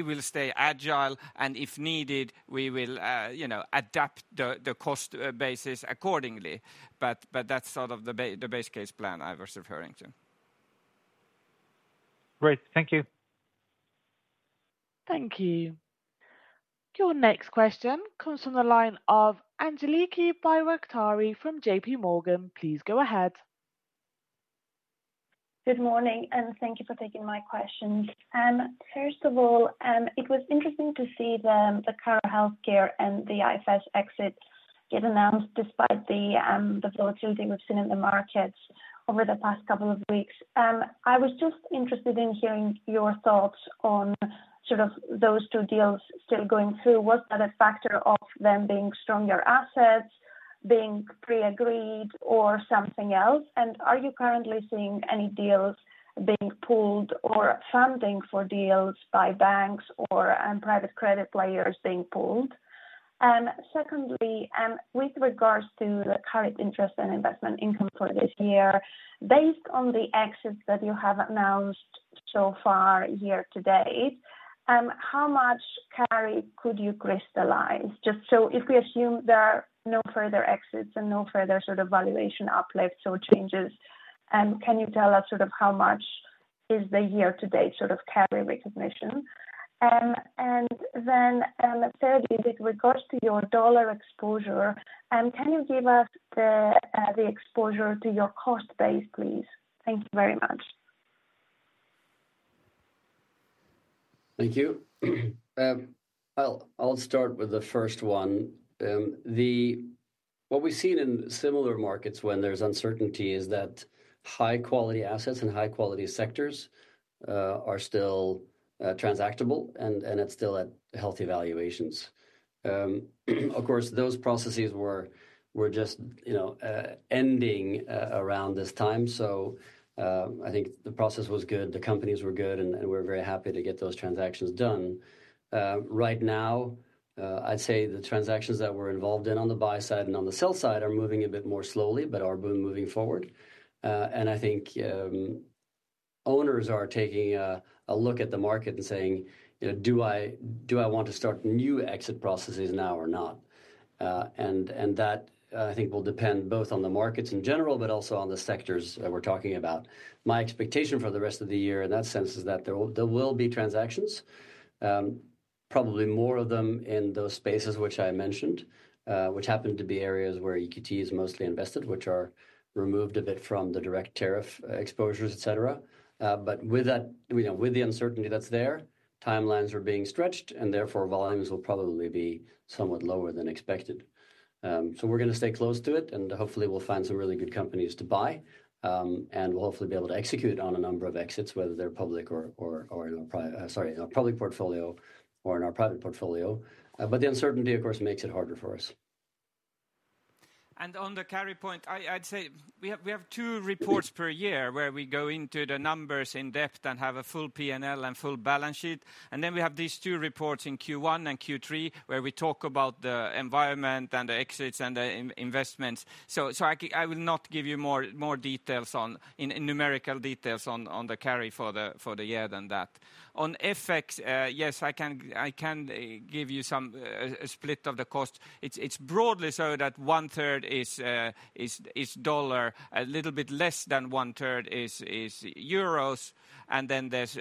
will stay agile, and if needed, we will adapt the cost basis accordingly. That's sort of the base case plan I was referring to. Great. Thank you. Thank you. Your next question comes from the line of Angeliki Bairaktari from J.P. Morgan. Please go ahead. Good morning, and thank you for taking my questions. First of all, it was interesting to see the Carroll Healthcare and the IFS exit get announced despite the volatility we've seen in the markets over the past couple of weeks. I was just interested in hearing your thoughts on sort of those two deals still going through. Was that a factor of them being stronger assets, being pre-agreed, or something else? Are you currently seeing any deals being pulled or funding for deals by banks or private credit players being pulled? Secondly, with regards to the current interest and investment income for this year, based on the exits that you have announced so far year-to-date, how much carry could you crystallize? Just so if we assume there are no further exits and no further sort of valuation uplift or changes, can you tell us sort of how much is the year-to-date sort of carry recognition? And then thirdly, with regards to your dollar exposure, can you give us the exposure to your cost base, please? Thank you very much. Thank you. I'll start with the first one. What we've seen in similar markets when there's uncertainty is that high-quality assets and high-quality sectors are still transactable, and it's still at healthy valuations. Of course, those processes were just ending around this time. I think the process was good, the companies were good, and we're very happy to get those transactions done. Right now, I'd say the transactions that we're involved in on the buy side and on the sell side are moving a bit more slowly, but are moving forward. I think owners are taking a look at the market and saying, "Do I want to start new exit processes now or not?" That, I think, will depend both on the markets in general, but also on the sectors that we're talking about. My expectation for the rest of the year in that sense is that there will be transactions, probably more of them in those spaces which I mentioned, which happen to be areas where EQT is mostly invested, which are removed a bit from the direct tariff exposures, etc. With the uncertainty that's there, timelines are being stretched, and therefore volumes will probably be somewhat lower than expected. We're going to stay close to it, and hopefully we'll find some really good companies to buy, and we'll hopefully be able to execute on a number of exits, whether they're public or in our public portfolio or in our private portfolio. The uncertainty, of course, makes it harder for us. On the carry point, I'd say we have two reports per year where we go into the numbers in depth and have a full P&L and full balance sheet. Then we have these two reports in Q1 and Q3 where we talk about the environment and the exits and the investments. I will not give you more details on numerical details on the carry for the year than that. On FX, yes, I can give you some split of the cost. It's broadly so that one-third is dollar, a little bit less than one-third is euros, and then there's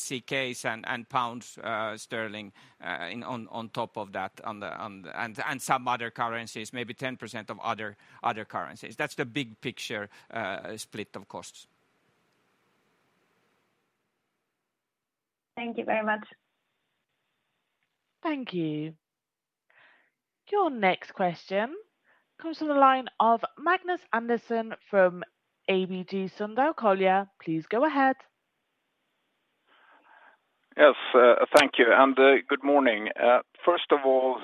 SEK and pounds sterling on top of that, and some other currencies, maybe 10% of other currencies. That's the big picture split of costs. Thank you very much. Thank you. Your next question comes from the line of Magnus Andersson from ABG Sundal Collier. Please go ahead. Yes, thank you. And good morning. First of all,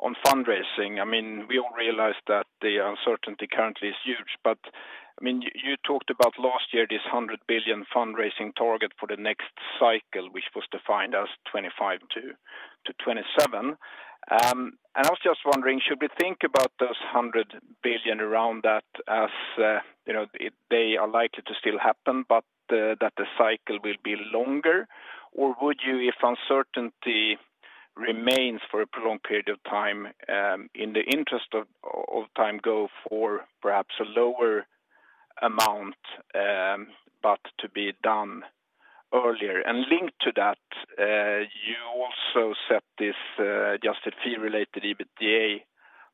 on fundraising, I mean, we all realize that the uncertainty currently is huge, but I mean, you talked about last year, this $100 billion fundraising target for the next cycle, which was defined as 2025 to 2027. I was just wondering, should we think about those $100 billion around that as they are likely to still happen, but that the cycle will be longer, or would you, if uncertainty remains for a prolonged period of time, in the interest of time, go for perhaps a lower amount, but to be done earlier? Linked to that, you also set this just fee-related EBITDA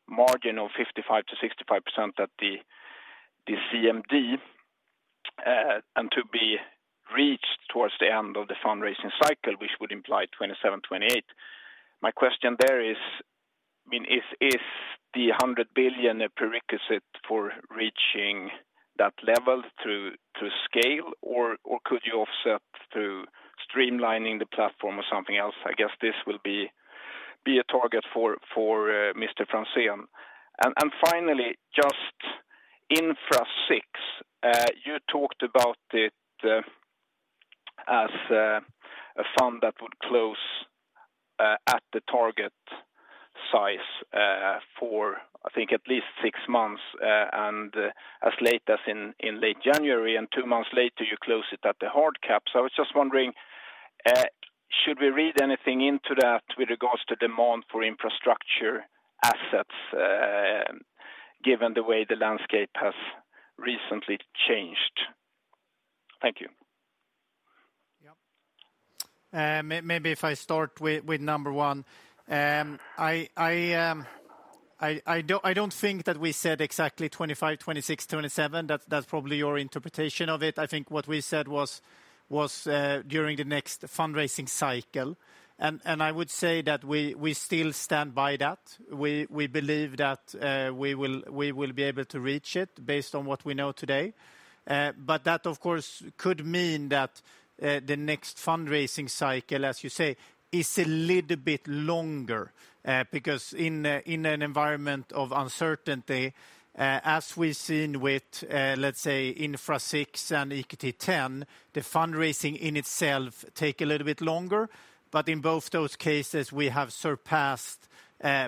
margin of 55%-65% at the CMD and to be reached towards the end of the fundraising cycle, which would imply 2027, 2028. My question there is, I mean, is the $100 billion a prerequisite for reaching that level through scale, or could you offset through streamlining the platform or something else? I guess this will be a target for Mr. Franzén. Finally, just Infrastructure VI, you talked about it as a fund that would close at the target size for, I think, at least six months and as late as in late January, and two months later, you close it at the hard cap. I was just wondering, should we read anything into that with regards to demand for infrastructure assets given the way the landscape has recently changed? Thank you. Yep. Maybe if I start with number one, I do not think that we said exactly 25, 26, 27. That is probably your interpretation of it. I think what we said was during the next fundraising cycle. I would say that we still stand by that. We believe that we will be able to reach it based on what we know today. That, of course, could mean that the next fundraising cycle, as you say, is a little bit longer because in an environment of uncertainty, as we've seen with, let's say, Infrastructure VI and EQT XI, the fundraising in itself takes a little bit longer. In both those cases, we have surpassed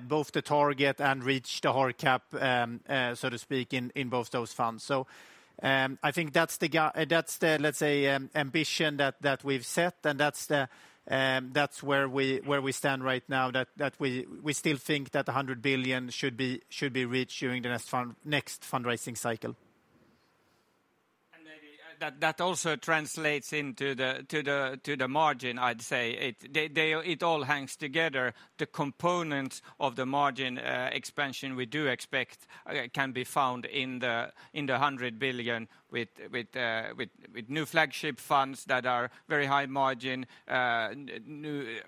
both the target and reached the hard cap, so to speak, in both those funds. I think that's the, let's say, ambition that we've set, and that's where we stand right now, that we still think that $100 billion should be reached during the next fundraising cycle. Maybe that also translates into the margin, I'd say. It all hangs together. The components of the margin expansion we do expect can be found in the $100 billion with new flagship funds that are very high margin, new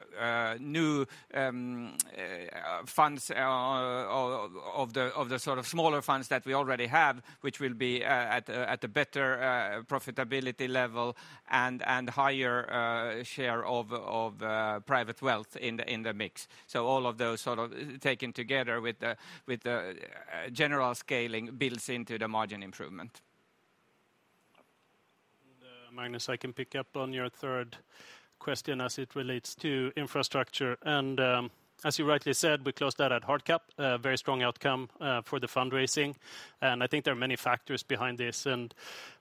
funds of the sort of smaller funds that we already have, which will be at a better profitability level and higher share of private wealth in the mix. All of those sort of taken together with the general scaling builds into the margin improvement. Magnus, I can pick up on your third question as it relates to infrastructure. As you rightly said, we closed that at hard cap, a very strong outcome for the fundraising. I think there are many factors behind this.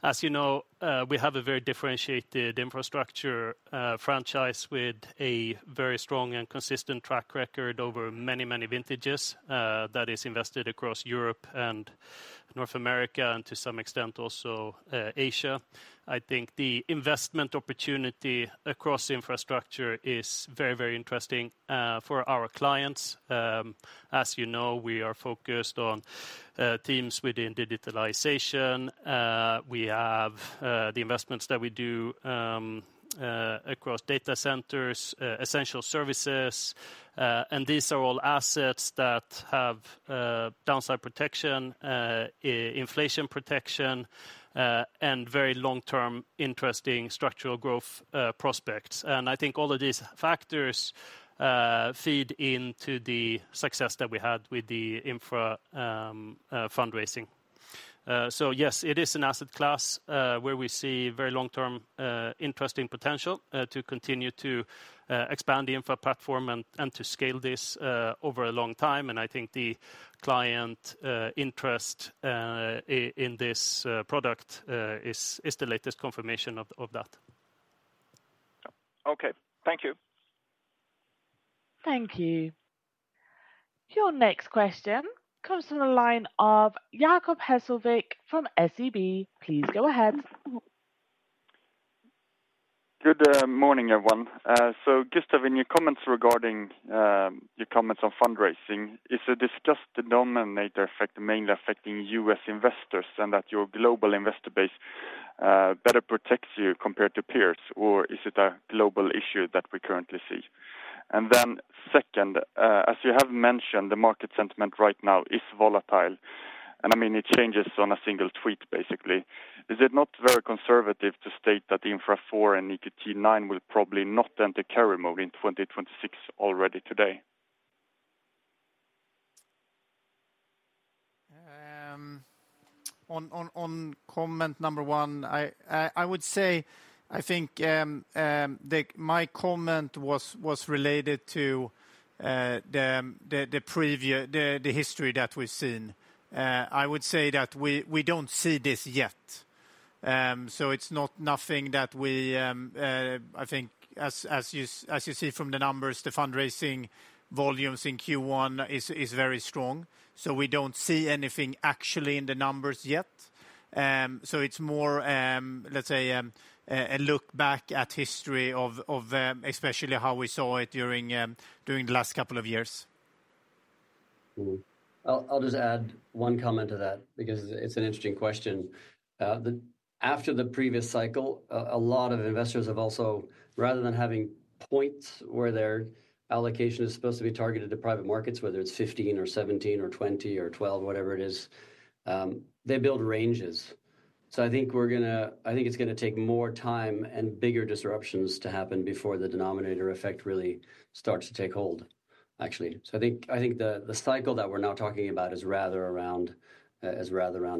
As you know, we have a very differentiated infrastructure franchise with a very strong and consistent track record over many, many vintages that is invested across Europe and North America and to some extent also Asia. I think the investment opportunity across infrastructure is very, very interesting for our clients. As you know, we are focused on teams within digitalization. We have the investments that we do across data centers, essential services. These are all assets that have downside protection, inflation protection, and very long-term interesting structural growth prospects. I think all of these factors feed into the success that we had with the infra fundraising. Yes, it is an asset class where we see very long-term interesting potential to continue to expand the infra platform and to scale this over a long time. I think the client interest in this product is the latest confirmation of that. Okay. Thank you. Thank you. Your next question comes from the line of Jacob Hesselvik from SEB. Please go ahead. Good morning, everyone. Gustav, in your comments regarding your comments on fundraising, is this just the dominator effect mainly affecting U.S. investors and that your global investor base better protects you compared to peers, or is it a global issue that we currently see? Second, as you have mentioned, the market sentiment right now is volatile. I mean, it changes on a single tweet, basically. Is it not very conservative to state that infra four and EQT nine will probably not enter carry mode in 2026 already today? On comment number one, I would say, I think my comment was related to the history that we've seen. I would say that we don't see this yet. It's not nothing that we, I think, as you see from the numbers, the fundraising volumes in Q1 is very strong. We don't see anything actually in the numbers yet. It's more, let's say, a look back at history of especially how we saw it during the last couple of years. I'll just add one comment to that because it's an interesting question. After the previous cycle, a lot of investors have also, rather than having points where their allocation is supposed to be targeted to private markets, whether it's 15% or 17% or 20% or 12%, whatever it is, they build ranges. I think we're going to, I think it's going to take more time and bigger disruptions to happen before the denominator effect really starts to take hold, actually. I think the cycle that we're now talking about is rather around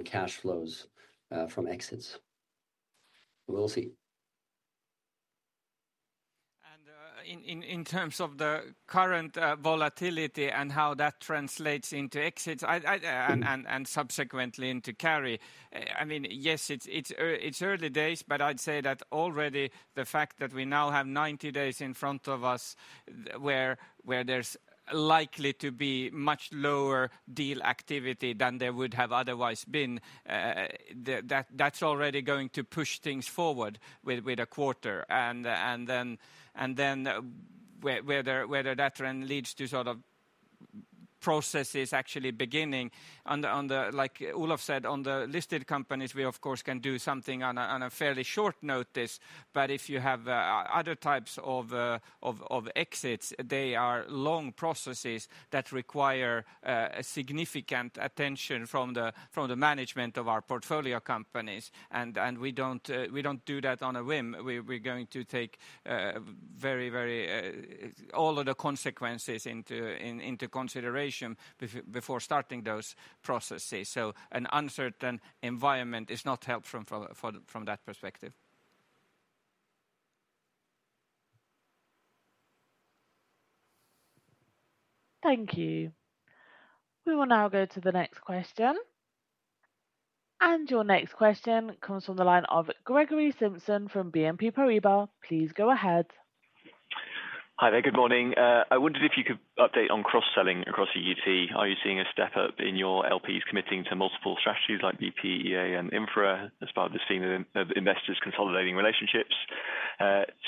cash flows from exits. We'll see. In terms of the current volatility and how that translates into exits and subsequently into carry, I mean, yes, it's early days, but I'd say that already the fact that we now have 90 days in front of us where there's likely to be much lower deal activity than there would have otherwise been, that's already going to push things forward with a quarter. Whether that then leads to sort of processes actually beginning, like Olof said, on the listed companies, we, of course, can do something on a fairly short notice. If you have other types of exits, they are long processes that require significant attention from the management of our portfolio companies. We don't do that on a whim. We're going to take all of the consequences into consideration before starting those processes. An uncertain environment is not helpful from that perspective. Thank you. We will now go to the next question. Your next question comes from the line of Gregory Simpson from BNP Paribas. Please go ahead. Hi there, good morning. I wondered if you could update on cross-selling across EQT. Are you seeing a step up in your LPs committing to multiple strategies like BPEA and infra as part of the scheme of investors consolidating relationships?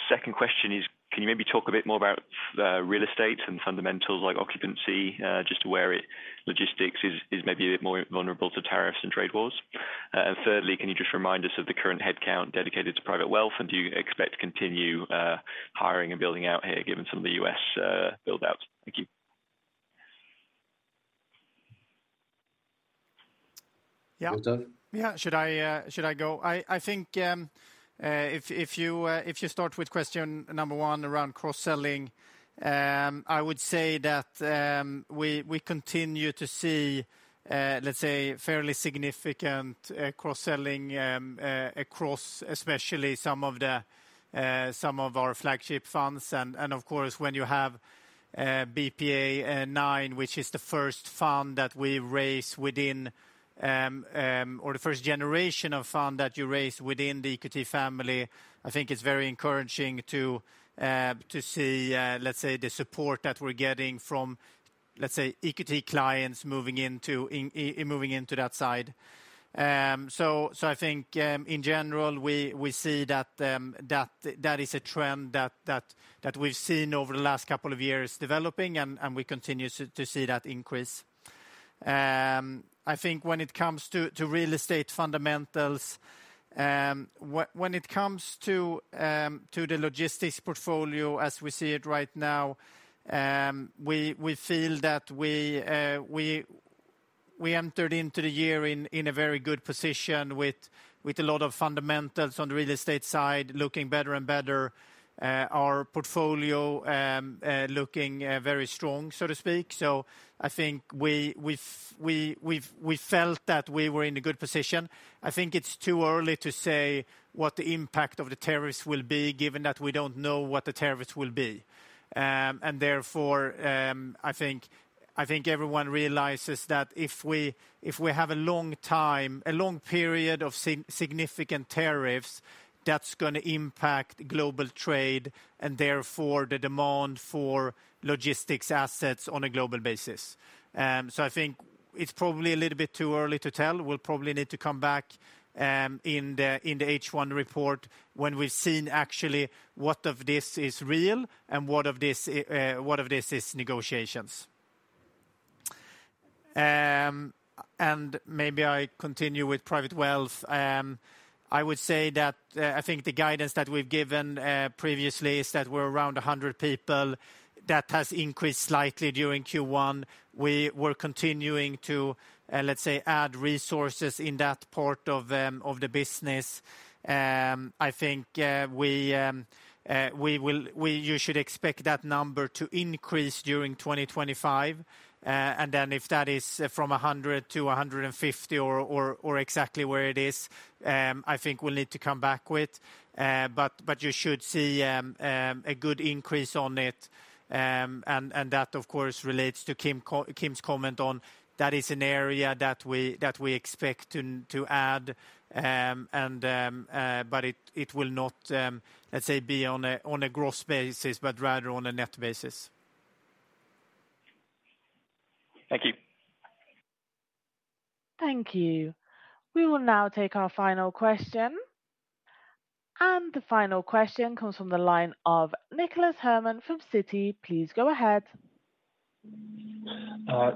Second question is, can you maybe talk a bit more about real estate and fundamentals like occupancy, just where logistics is maybe a bit more vulnerable to tariffs and trade wars? Thirdly, can you just remind us of the current headcount dedicated to private wealth, and do you expect to continue hiring and building out here given some of the U.S. buildouts? Thank you. Yeah. Gustav? Yeah, should I go? I think if you start with question number one around cross-selling, I would say that we continue to see, let's say, fairly significant cross-selling across especially some of our flagship funds. Of course, when you have BPEA IX, which is the first fund that we raise within, or the first generation of fund that you raise within the EQT family, I think it's very encouraging to see, let's say, the support that we're getting from, let's say, EQT clients moving into that side. I think in general, we see that that is a trend that we've seen over the last couple of years developing, and we continue to see that increase. I think when it comes to real estate fundamentals, when it comes to the logistics portfolio as we see it right now, we feel that we entered into the year in a very good position with a lot of fundamentals on the real estate side looking better and better. Our portfolio looking very strong, so to speak. I think we felt that we were in a good position. I think it's too early to say what the impact of the tariffs will be given that we don't know what the tariffs will be. Therefore, I think everyone realizes that if we have a long period of significant tariffs, that's going to impact global trade and therefore the demand for logistics assets on a global basis. I think it's probably a little bit too early to tell. We'll probably need to come back in the H1 report when we've seen actually what of this is real and what of this is negotiations. Maybe I continue with private wealth. I would say that I think the guidance that we've given previously is that we're around 100 people. That has increased slightly during Q1. We were continuing to, let's say, add resources in that part of the business. I think you should expect that number to increase during 2025. If that is from 100 to 150 or exactly where it is, I think we'll need to come back with. You should see a good increase on it. That, of course, relates to Kim's comment on that is an area that we expect to add. It will not, let's say, be on a gross basis, but rather on a net basis. Thank you. Thank you. We will now take our final question. The final question comes from the line of Nicholas Herman from Citi. Please go ahead.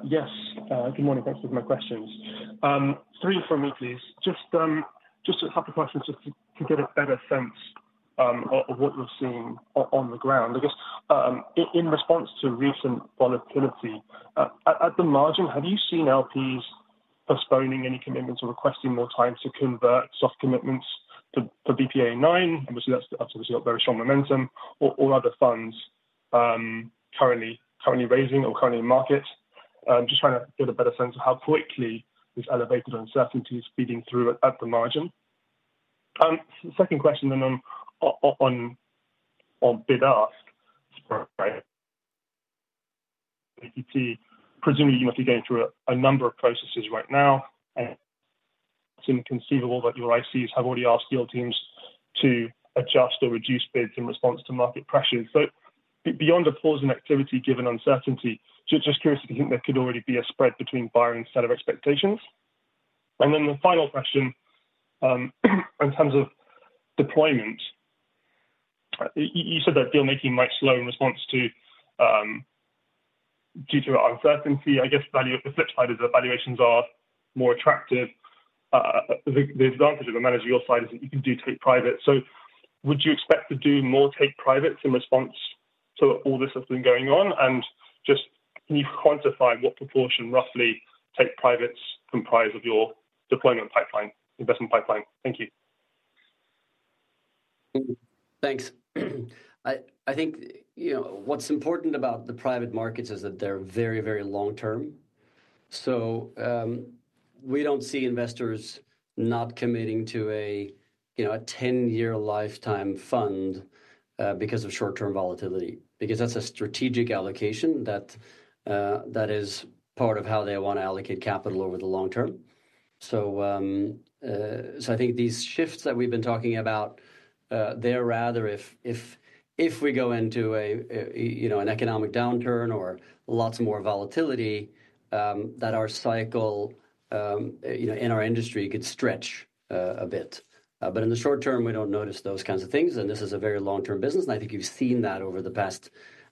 Yes. Good morning. Thanks for my questions. Three from me, please. Just a couple of questions just to get a better sense of what you're seeing on the ground. I guess in response to recent volatility, at the margin, have you seen LPs postponing any commitments or requesting more time to convert soft commitments for BPEA IX? Obviously, that's obviously got very strong momentum. Or other funds currently raising or currently in market? Just trying to get a better sense of how quickly this elevated uncertainty is feeding through at the margin. Second question then on bid ask. Presumably, you must be going through a number of processes right now. It's inconceivable that your ICs have already asked your teams to adjust or reduce bids in response to market pressures. Beyond a pause in activity given uncertainty, just curious if you think there could already be a spread between buyer and seller expectations. The final question in terms of deployment. You said that deal-making might slow in response to or due to uncertainty. I guess the value of the flip side is that valuations are more attractive. The advantage of the manager your side is that you can do take private. Would you expect to do more take privates in response to all this that's been going on? Can you quantify what proportion roughly take privates comprise of your deployment pipeline, investment pipeline? Thank you. Thanks. I think what's important about the private markets is that they're very, very long-term. We do not see investors not committing to a 10-year lifetime fund because of short-term volatility. That is a strategic allocation that is part of how they want to allocate capital over the long term. I think these shifts that we have been talking about, they are rather if we go into an economic downturn or lots more volatility, that our cycle in our industry could stretch a bit. In the short term, we do not notice those kinds of things. This is a very long-term business. I think you have seen that over the past,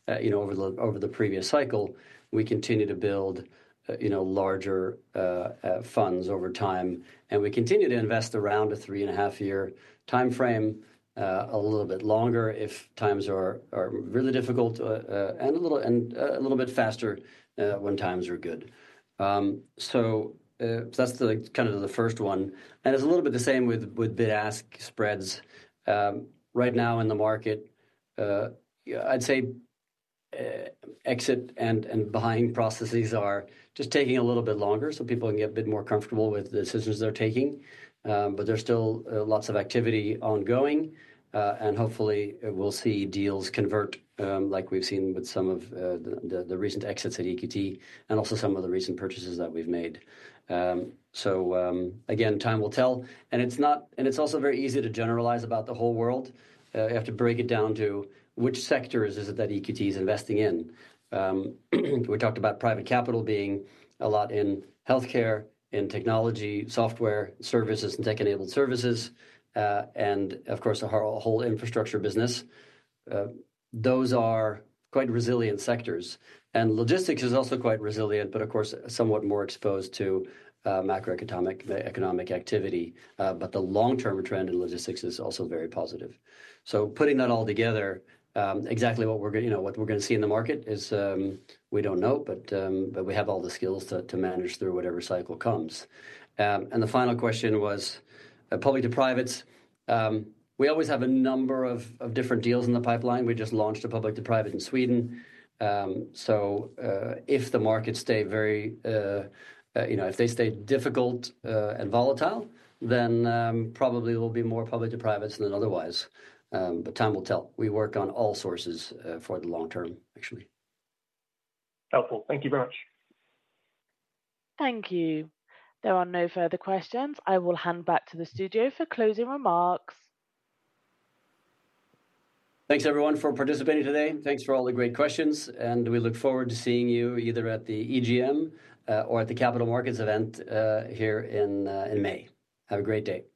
over the previous cycle, we continue to build larger funds over time. We continue to invest around a three-and-a-half-year timeframe, a little bit longer if times are really difficult and a little bit faster when times are good. That is kind of the first one. It is a little bit the same with bid-ask spreads. Right now in the market, I'd say exit and buying processes are just taking a little bit longer so people can get a bit more comfortable with the decisions they're taking. There is still lots of activity ongoing. Hopefully, we'll see deals convert like we've seen with some of the recent exits at EQT and also some of the recent purchases that we've made. Again, time will tell. It is also very easy to generalize about the whole world. You have to break it down to which sectors it is that EQT is investing in. We talked about private capital being a lot in healthcare, in technology, software, services, and tech-enabled services. Of course, the whole infrastructure business. Those are quite resilient sectors. Logistics is also quite resilient, but of course, somewhat more exposed to macroeconomic activity. The long-term trend in logistics is also very positive. Putting that all together, exactly what we're going to see in the market is we don't know, but we have all the skills to manage through whatever cycle comes. The final question was public to privates. We always have a number of different deals in the pipeline. We just launched a public to private in Sweden. If the markets stay very, if they stay difficult and volatile, then probably there will be more public to privates than otherwise. Time will tell. We work on all sources for the long term, actually. Helpful. Thank you very much. Thank you. There are no further questions. I will hand back to the studio for closing remarks. Thanks, everyone, for participating today. Thanks for all the great questions. We look forward to seeing you either at the EGM or at the Capital Markets event here in May. Have a great day.